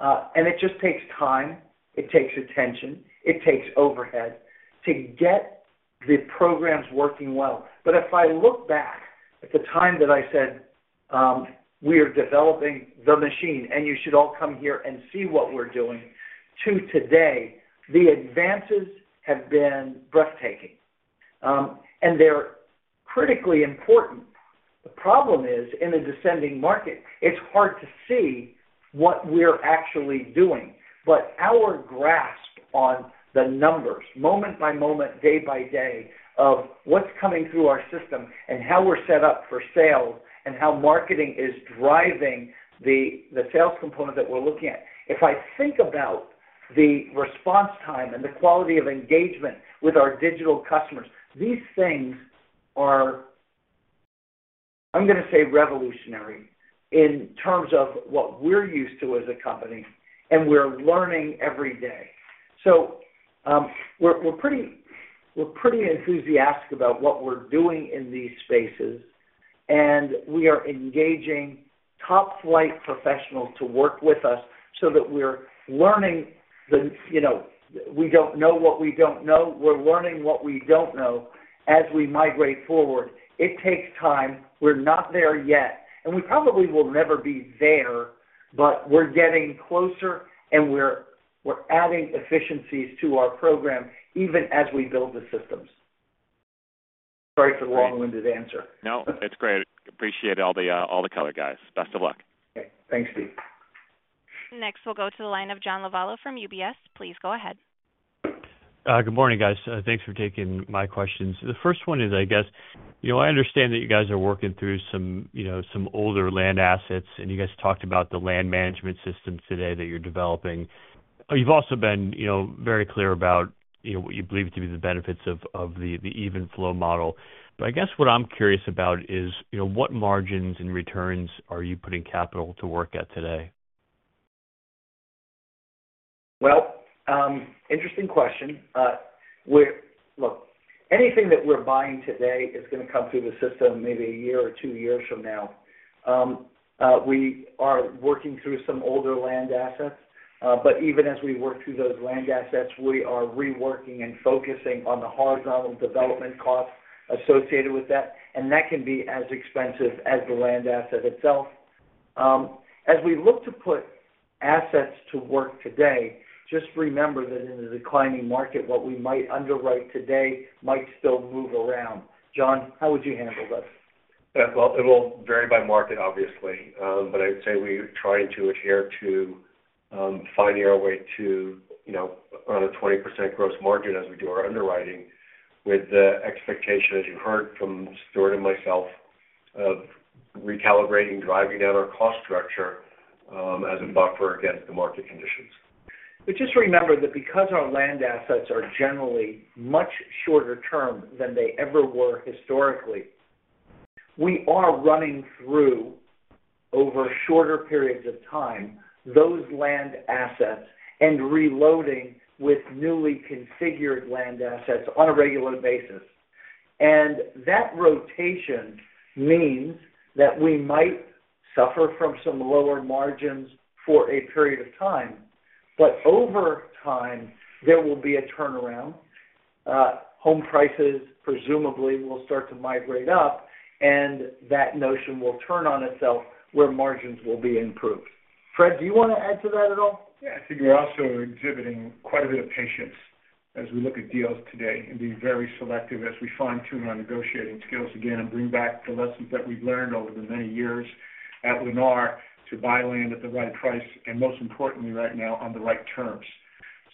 It just takes time. It takes attention. It takes overhead to get the programs working well. If I look back at the time that I said, "We are developing the machine, and you should all come here and see what we are doing," to today, the advances have been breathtaking, and they are critically important. The problem is, in a descending market, it is hard to see what we are actually doing. Our grasp on the numbers, moment by moment, day by day, of what is coming through our system and how we are set up for sales and how marketing is driving the sales component that we are looking at. If I think about the response time and the quality of engagement with our digital customers, these things are, I'm going to say, revolutionary in terms of what we're used to as a company, and we're learning every day. We're pretty enthusiastic about what we're doing in these spaces, and we are engaging top-flight professionals to work with us so that we're learning what we don't know as we migrate forward. It takes time. We're not there yet, and we probably will never be there, but we're getting closer, and we're adding efficiencies to our program even as we build the systems. Sorry for the long-winded answer. No, it's great. Appreciate all the color, guys. Best of luck. Okay. Thanks, Steve. Next, we'll go to the line of John Lovallo from UBS. Please go ahead. Good morning, guys. Thanks for taking my questions. The first one is, I guess, I understand that you guys are working through some older land assets, and you guys talked about the land management systems today that you're developing. You've also been very clear about what you believe to be the benefits of the even-flow model. I guess what I'm curious about is, what margins and returns are you putting capital to work at today? Interesting question. Look, anything that we're buying today is going to come through the system maybe a year or two years from now. We are working through some older land assets, but even as we work through those land assets, we are reworking and focusing on the horizontal development costs associated with that, and that can be as expensive as the land asset itself. As we look to put assets to work today, just remember that in a declining market, what we might underwrite today might still move around. John, how would you handle this? It will vary by market, obviously, but I'd say we're trying to adhere to finding our way to around a 20% gross margin as we do our underwriting with the expectation, as you heard from Stuart and myself, of recalibrating, driving down our cost structure as a buffer against the market conditions. Just remember that because our land assets are generally much shorter-term than they ever were historically, we are running through, over shorter periods of time, those land assets and reloading with newly configured land assets on a regular basis. That rotation means that we might suffer from some lower margins for a period of time, but over time, there will be a turnaround. Home prices, presumably, will start to migrate up, and that notion will turn on itself where margins will be improved. Fred, do you want to add to that at all? Yeah. I think we're also exhibiting quite a bit of patience as we look at deals today and being very selective as we fine-tune our negotiating skills again and bring back the lessons that we've learned over the many years at Lennar to buy land at the right price and, most importantly, right now, on the right terms.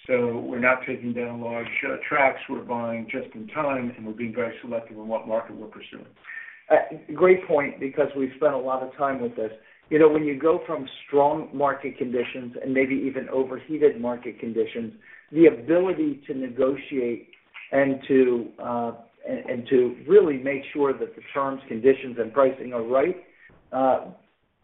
We are not taking down large tracts. We are buying just in time, and we are being very selective in what market we are pursuing. Great point because we've spent a lot of time with this. When you go from strong market conditions and maybe even overheated market conditions, the ability to negotiate and to really make sure that the terms, conditions, and pricing are right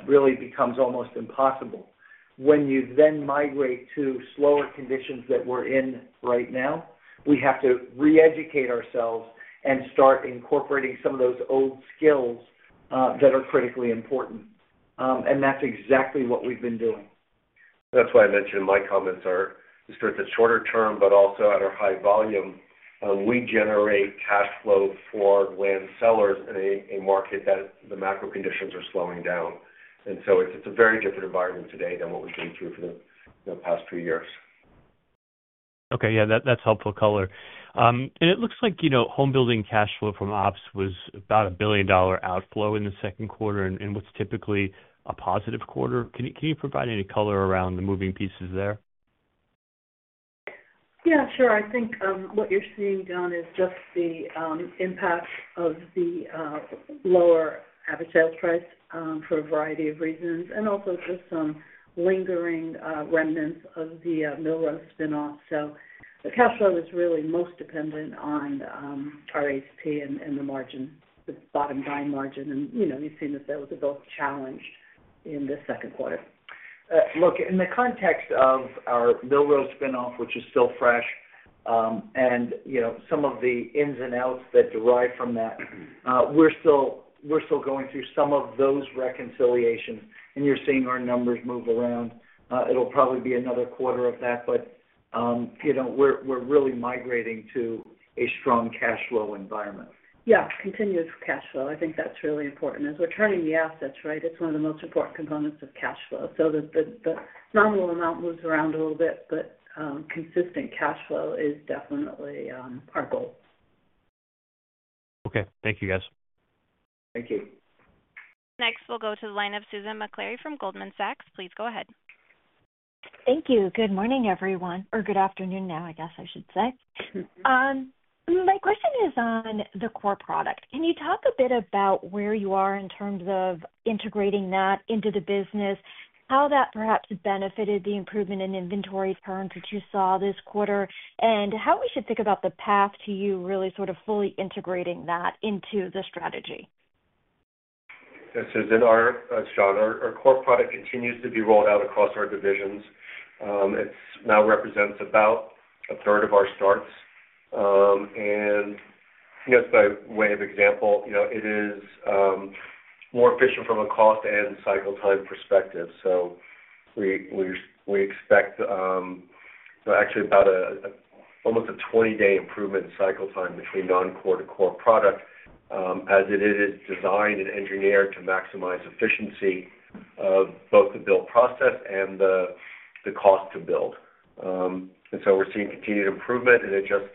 really becomes almost impossible. When you then migrate to slower conditions that we are in right now, we have to re-educate ourselves and start incorporating some of those old skills that are critically important. That is exactly what we have been doing. That is why I mentioned my comments are just at the shorter term, but also at our high volume, we generate cash flow for land sellers in a market that the macro conditions are slowing down. It is a very different environment today than what we have been through for the past few years. Okay. Yeah. That is helpful color. It looks like homebuilding cash flow from ops was about a $1 billion outflow in the second quarter and was typically a positive quarter. Can you provide any color around the moving pieces there? Yeah. Sure. I think what you're seeing, John, is just the impact of the lower average sales price for a variety of reasons and also just some lingering remnants of the Millroad spinoff. The cash flow is really most dependent on RHP and the margin, the bottom-dying margin. You've seen that those are both challenged in the second quarter. Look, in the context of our Millroad spinoff, which is still fresh and some of the ins and outs that derive from that, we're still going through some of those reconciliations, and you're seeing our numbers move around. It'll probably be another quarter of that, but we're really migrating to a strong cash flow environment. Yeah. Continuous cash flow. I think that's really important as we're turning the assets, right? It's one of the most important components of cash flow. So the nominal amount moves around a little bit, but consistent cash flow is definitely our goal. Okay. Thank you, guys. Thank you. Next, we'll go to the line of Susan McClary from Goldman Sachs. Please go ahead. Thank you. Good morning, everyone, or good afternoon now, I guess I should say. My question is on the core product. Can you talk a bit about where you are in terms of integrating that into the business, how that perhaps benefited the improvement in inventory turns that you saw this quarter, and how we should think about the path to you really sort of fully integrating that into the strategy? Yes. As I said, our core product continues to be rolled out across our divisions. It now represents about a third of our starts. Just by way of example, it is more efficient from a cost and cycle time perspective. We expect actually about almost a 20-day improvement in cycle time between non-core to core product as it is designed and engineered to maximize efficiency of both the build process and the cost to build. We are seeing continued improvement, and it just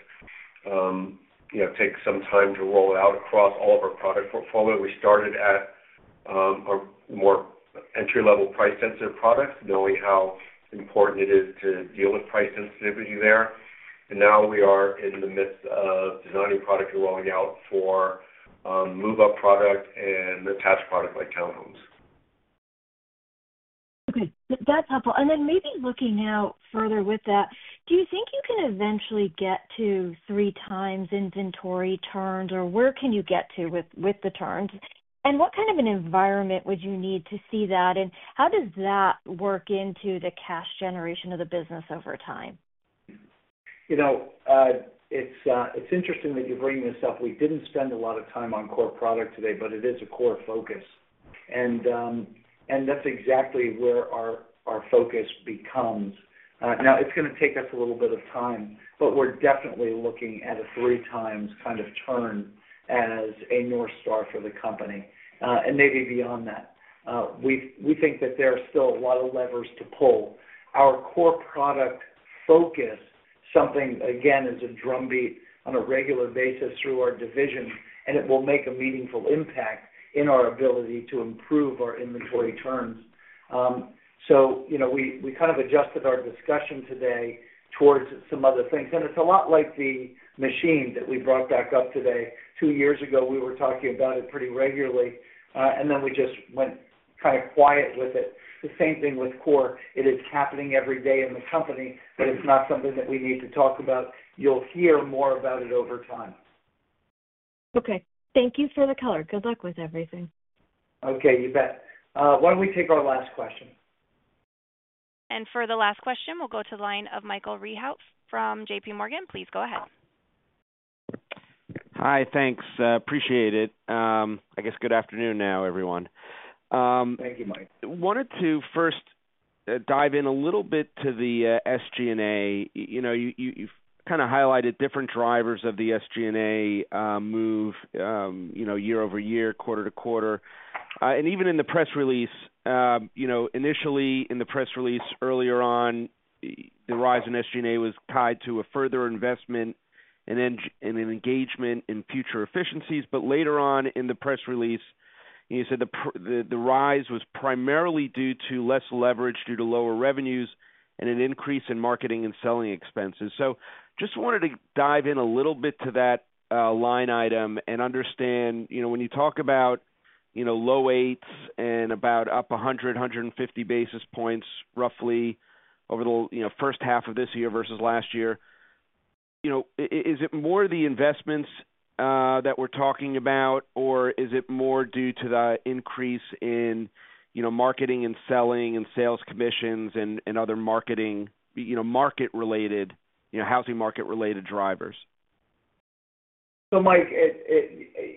takes some time to roll out across all of our product portfolio. We started at a more entry-level price-sensitive product, knowing how important it is to deal with price sensitivity there. Now we are in the midst of designing product and rolling out for move-up product and attached product like townhomes. Okay. That's helpful. Maybe looking out further with that, do you think you can eventually get to three-times inventory turns, or where can you get to with the turns? What kind of an environment would you need to see that, and how does that work into the cash generation of the business over time? It's interesting that you bring this up. We did not spend a lot of time on core product today, but it is a core focus. That's exactly where our focus becomes. Now, it's going to take us a little bit of time, but we're definitely looking at a three-times kind of turn as a North Star for the company and maybe beyond that. We think that there are still a lot of levers to pull. Our core product focus, something, again, is a drumbeat on a regular basis through our division, and it will make a meaningful impact in our ability to improve our inventory turns. We kind of adjusted our discussion today towards some other things. It's a lot like the machine that we brought back up today. Two years ago, we were talking about it pretty regularly, and then we just went kind of quiet with it. The same thing with core. It is happening every day in the company, but it's not something that we need to talk about. You'll hear more about it over time. Okay. Thank you for the color. Good luck with everything. Okay. You bet. Why do not we take our last question? For the last question, we will go to the line of Michael Rehaut from JPMorgan. Please go ahead. Hi. Thanks. Appreciate it. I guess good afternoon now, everyone. Thank you, Mike. Wanted to first dive in a little bit to the SG&A. You have kind of highlighted different drivers of the SG&A move year over year, quarter to quarter. Even in the press release, initially in the press release earlier on, the rise in SG&A was tied to a further investment and an engagement in future efficiencies. Later on in the press release, you said the rise was primarily due to less leverage, due to lower revenues, and an increase in marketing and selling expenses. I just wanted to dive in a little bit to that line item and understand when you talk about low eights and about up 100-150 basis points roughly over the first half of this year versus last year, is it more the investments that we're talking about, or is it more due to the increase in marketing and selling and sales commissions and other marketing market-related, housing market-related drivers? Mike,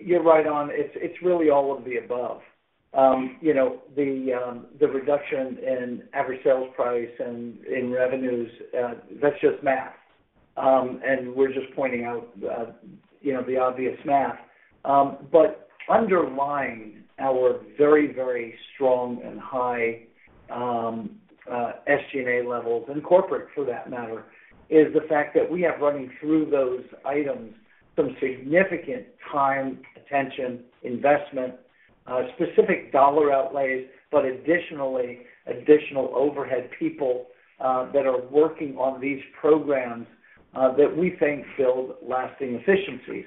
you're right on. It's really all of the above. The reduction in average sales price and in revenues, that's just math. We're just pointing out the obvious math. Underlying our very, very strong and high SG&A levels, and corporate for that matter, is the fact that we have running through those items some significant time, attention, investment, specific dollar outlays, but additionally, additional overhead people that are working on these programs that we think build lasting efficiencies.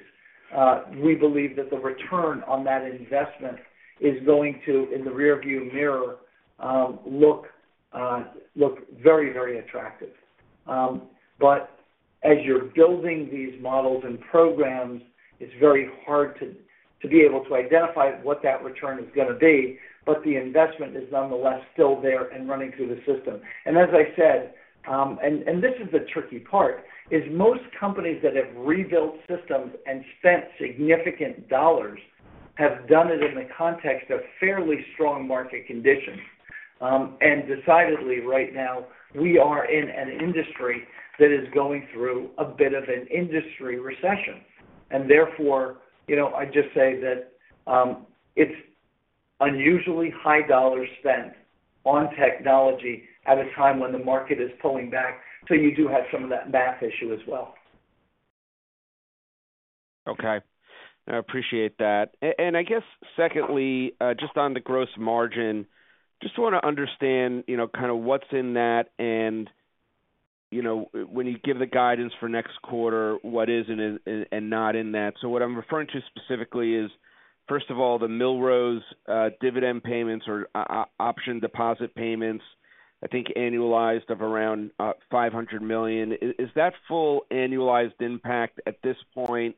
We believe that the return on that investment is going to, in the rearview mirror, look very, very attractive. As you are building these models and programs, it is very hard to be able to identify what that return is going to be, but the investment is nonetheless still there and running through the system. As I said, and this is the tricky part, most companies that have rebuilt systems and spent significant dollars have done it in the context of fairly strong market conditions. Decidedly, right now, we are in an industry that is going through a bit of an industry recession. Therefore, I just say that it is unusually high dollar spent on technology at a time when the market is pulling back. You do have some of that math issue as well. Okay. I appreciate that. I guess secondly, just on the gross margin, just want to understand kind of what is in that and when you give the guidance for next quarter, what is and is not in that. What I am referring to specifically is, first of all, the millroads, dividend payments, or option deposit payments, I think annualized of around $500 million. Is that full annualized impact at this point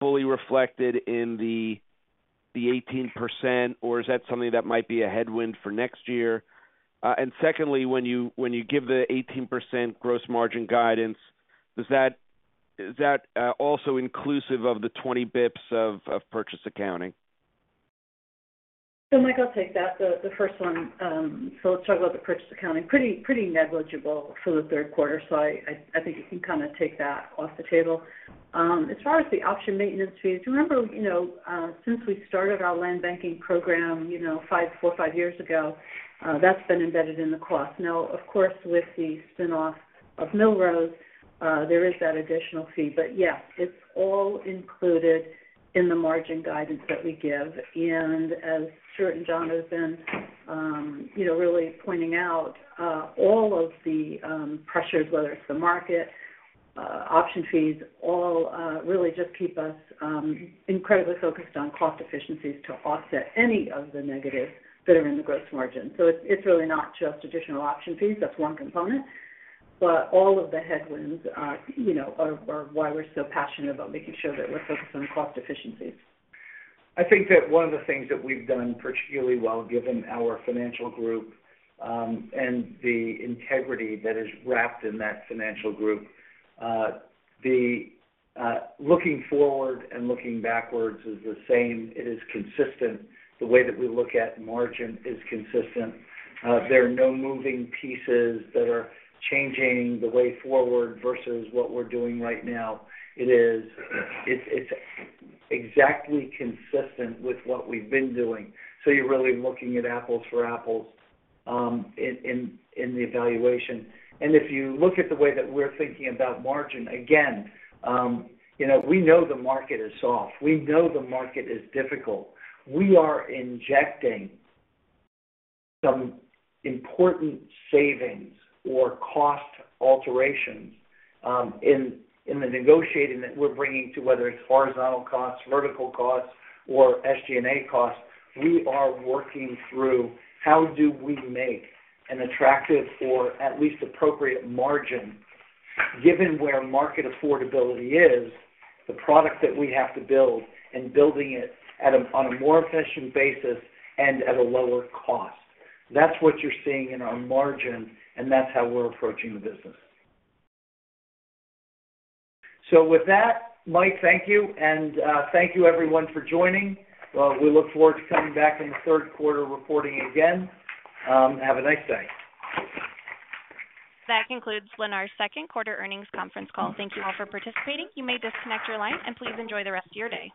fully reflected in the 18%, or is that something that might be a headwind for next year? Secondly, when you give the 18% gross margin guidance, is that also inclusive of the 20 basis points of purchase accounting? Mike, I'll take that. The first one. Let's talk about the purchase accounting. Pretty negligible for the third quarter, so I think you can kind of take that off the table. As far as the option maintenance fees, remember since we started our land banking program four or five years ago, that's been embedded in the cost. Now, of course, with the spinoff of Millroads, there is that additional fee. Yeah, it's all included in the margin guidance that we give. As Stuart and John have been really pointing out, all of the pressures, whether it's the market, option fees, all really just keep us incredibly focused on cost efficiencies to offset any of the negatives that are in the gross margin. It is really not just additional option fees. That is one component. All of the headwinds are why we are so passionate about making sure that we are focused on cost efficiencies. I think that one of the things that we have done particularly well given our financial group and the integrity that is wrapped in that financial group, the looking forward and looking backwards is the same. It is consistent. The way that we look at margin is consistent. There are no moving pieces that are changing the way forward versus what we are doing right now. It is exactly consistent with what we have been doing. You are really looking at apples for apples in the evaluation. If you look at the way that we are thinking about margin, again, we know the market is soft. We know the market is difficult. We are injecting some important savings or cost alterations in the negotiating that we're bringing to whether it's horizontal costs, vertical costs, or SG&A costs. We are working through how do we make an attractive or at least appropriate margin given where market affordability is, the product that we have to build, and building it on a more efficient basis and at a lower cost. That's what you're seeing in our margin, and that's how we're approaching the business. With that, Mike, thank you. Thank you, everyone, for joining. We look forward to coming back in the third quarter reporting again. Have a nice day. That concludes Lennar's second quarter earnings conference call. Thank you all for participating. You may disconnect your line, and please enjoy the rest of your day.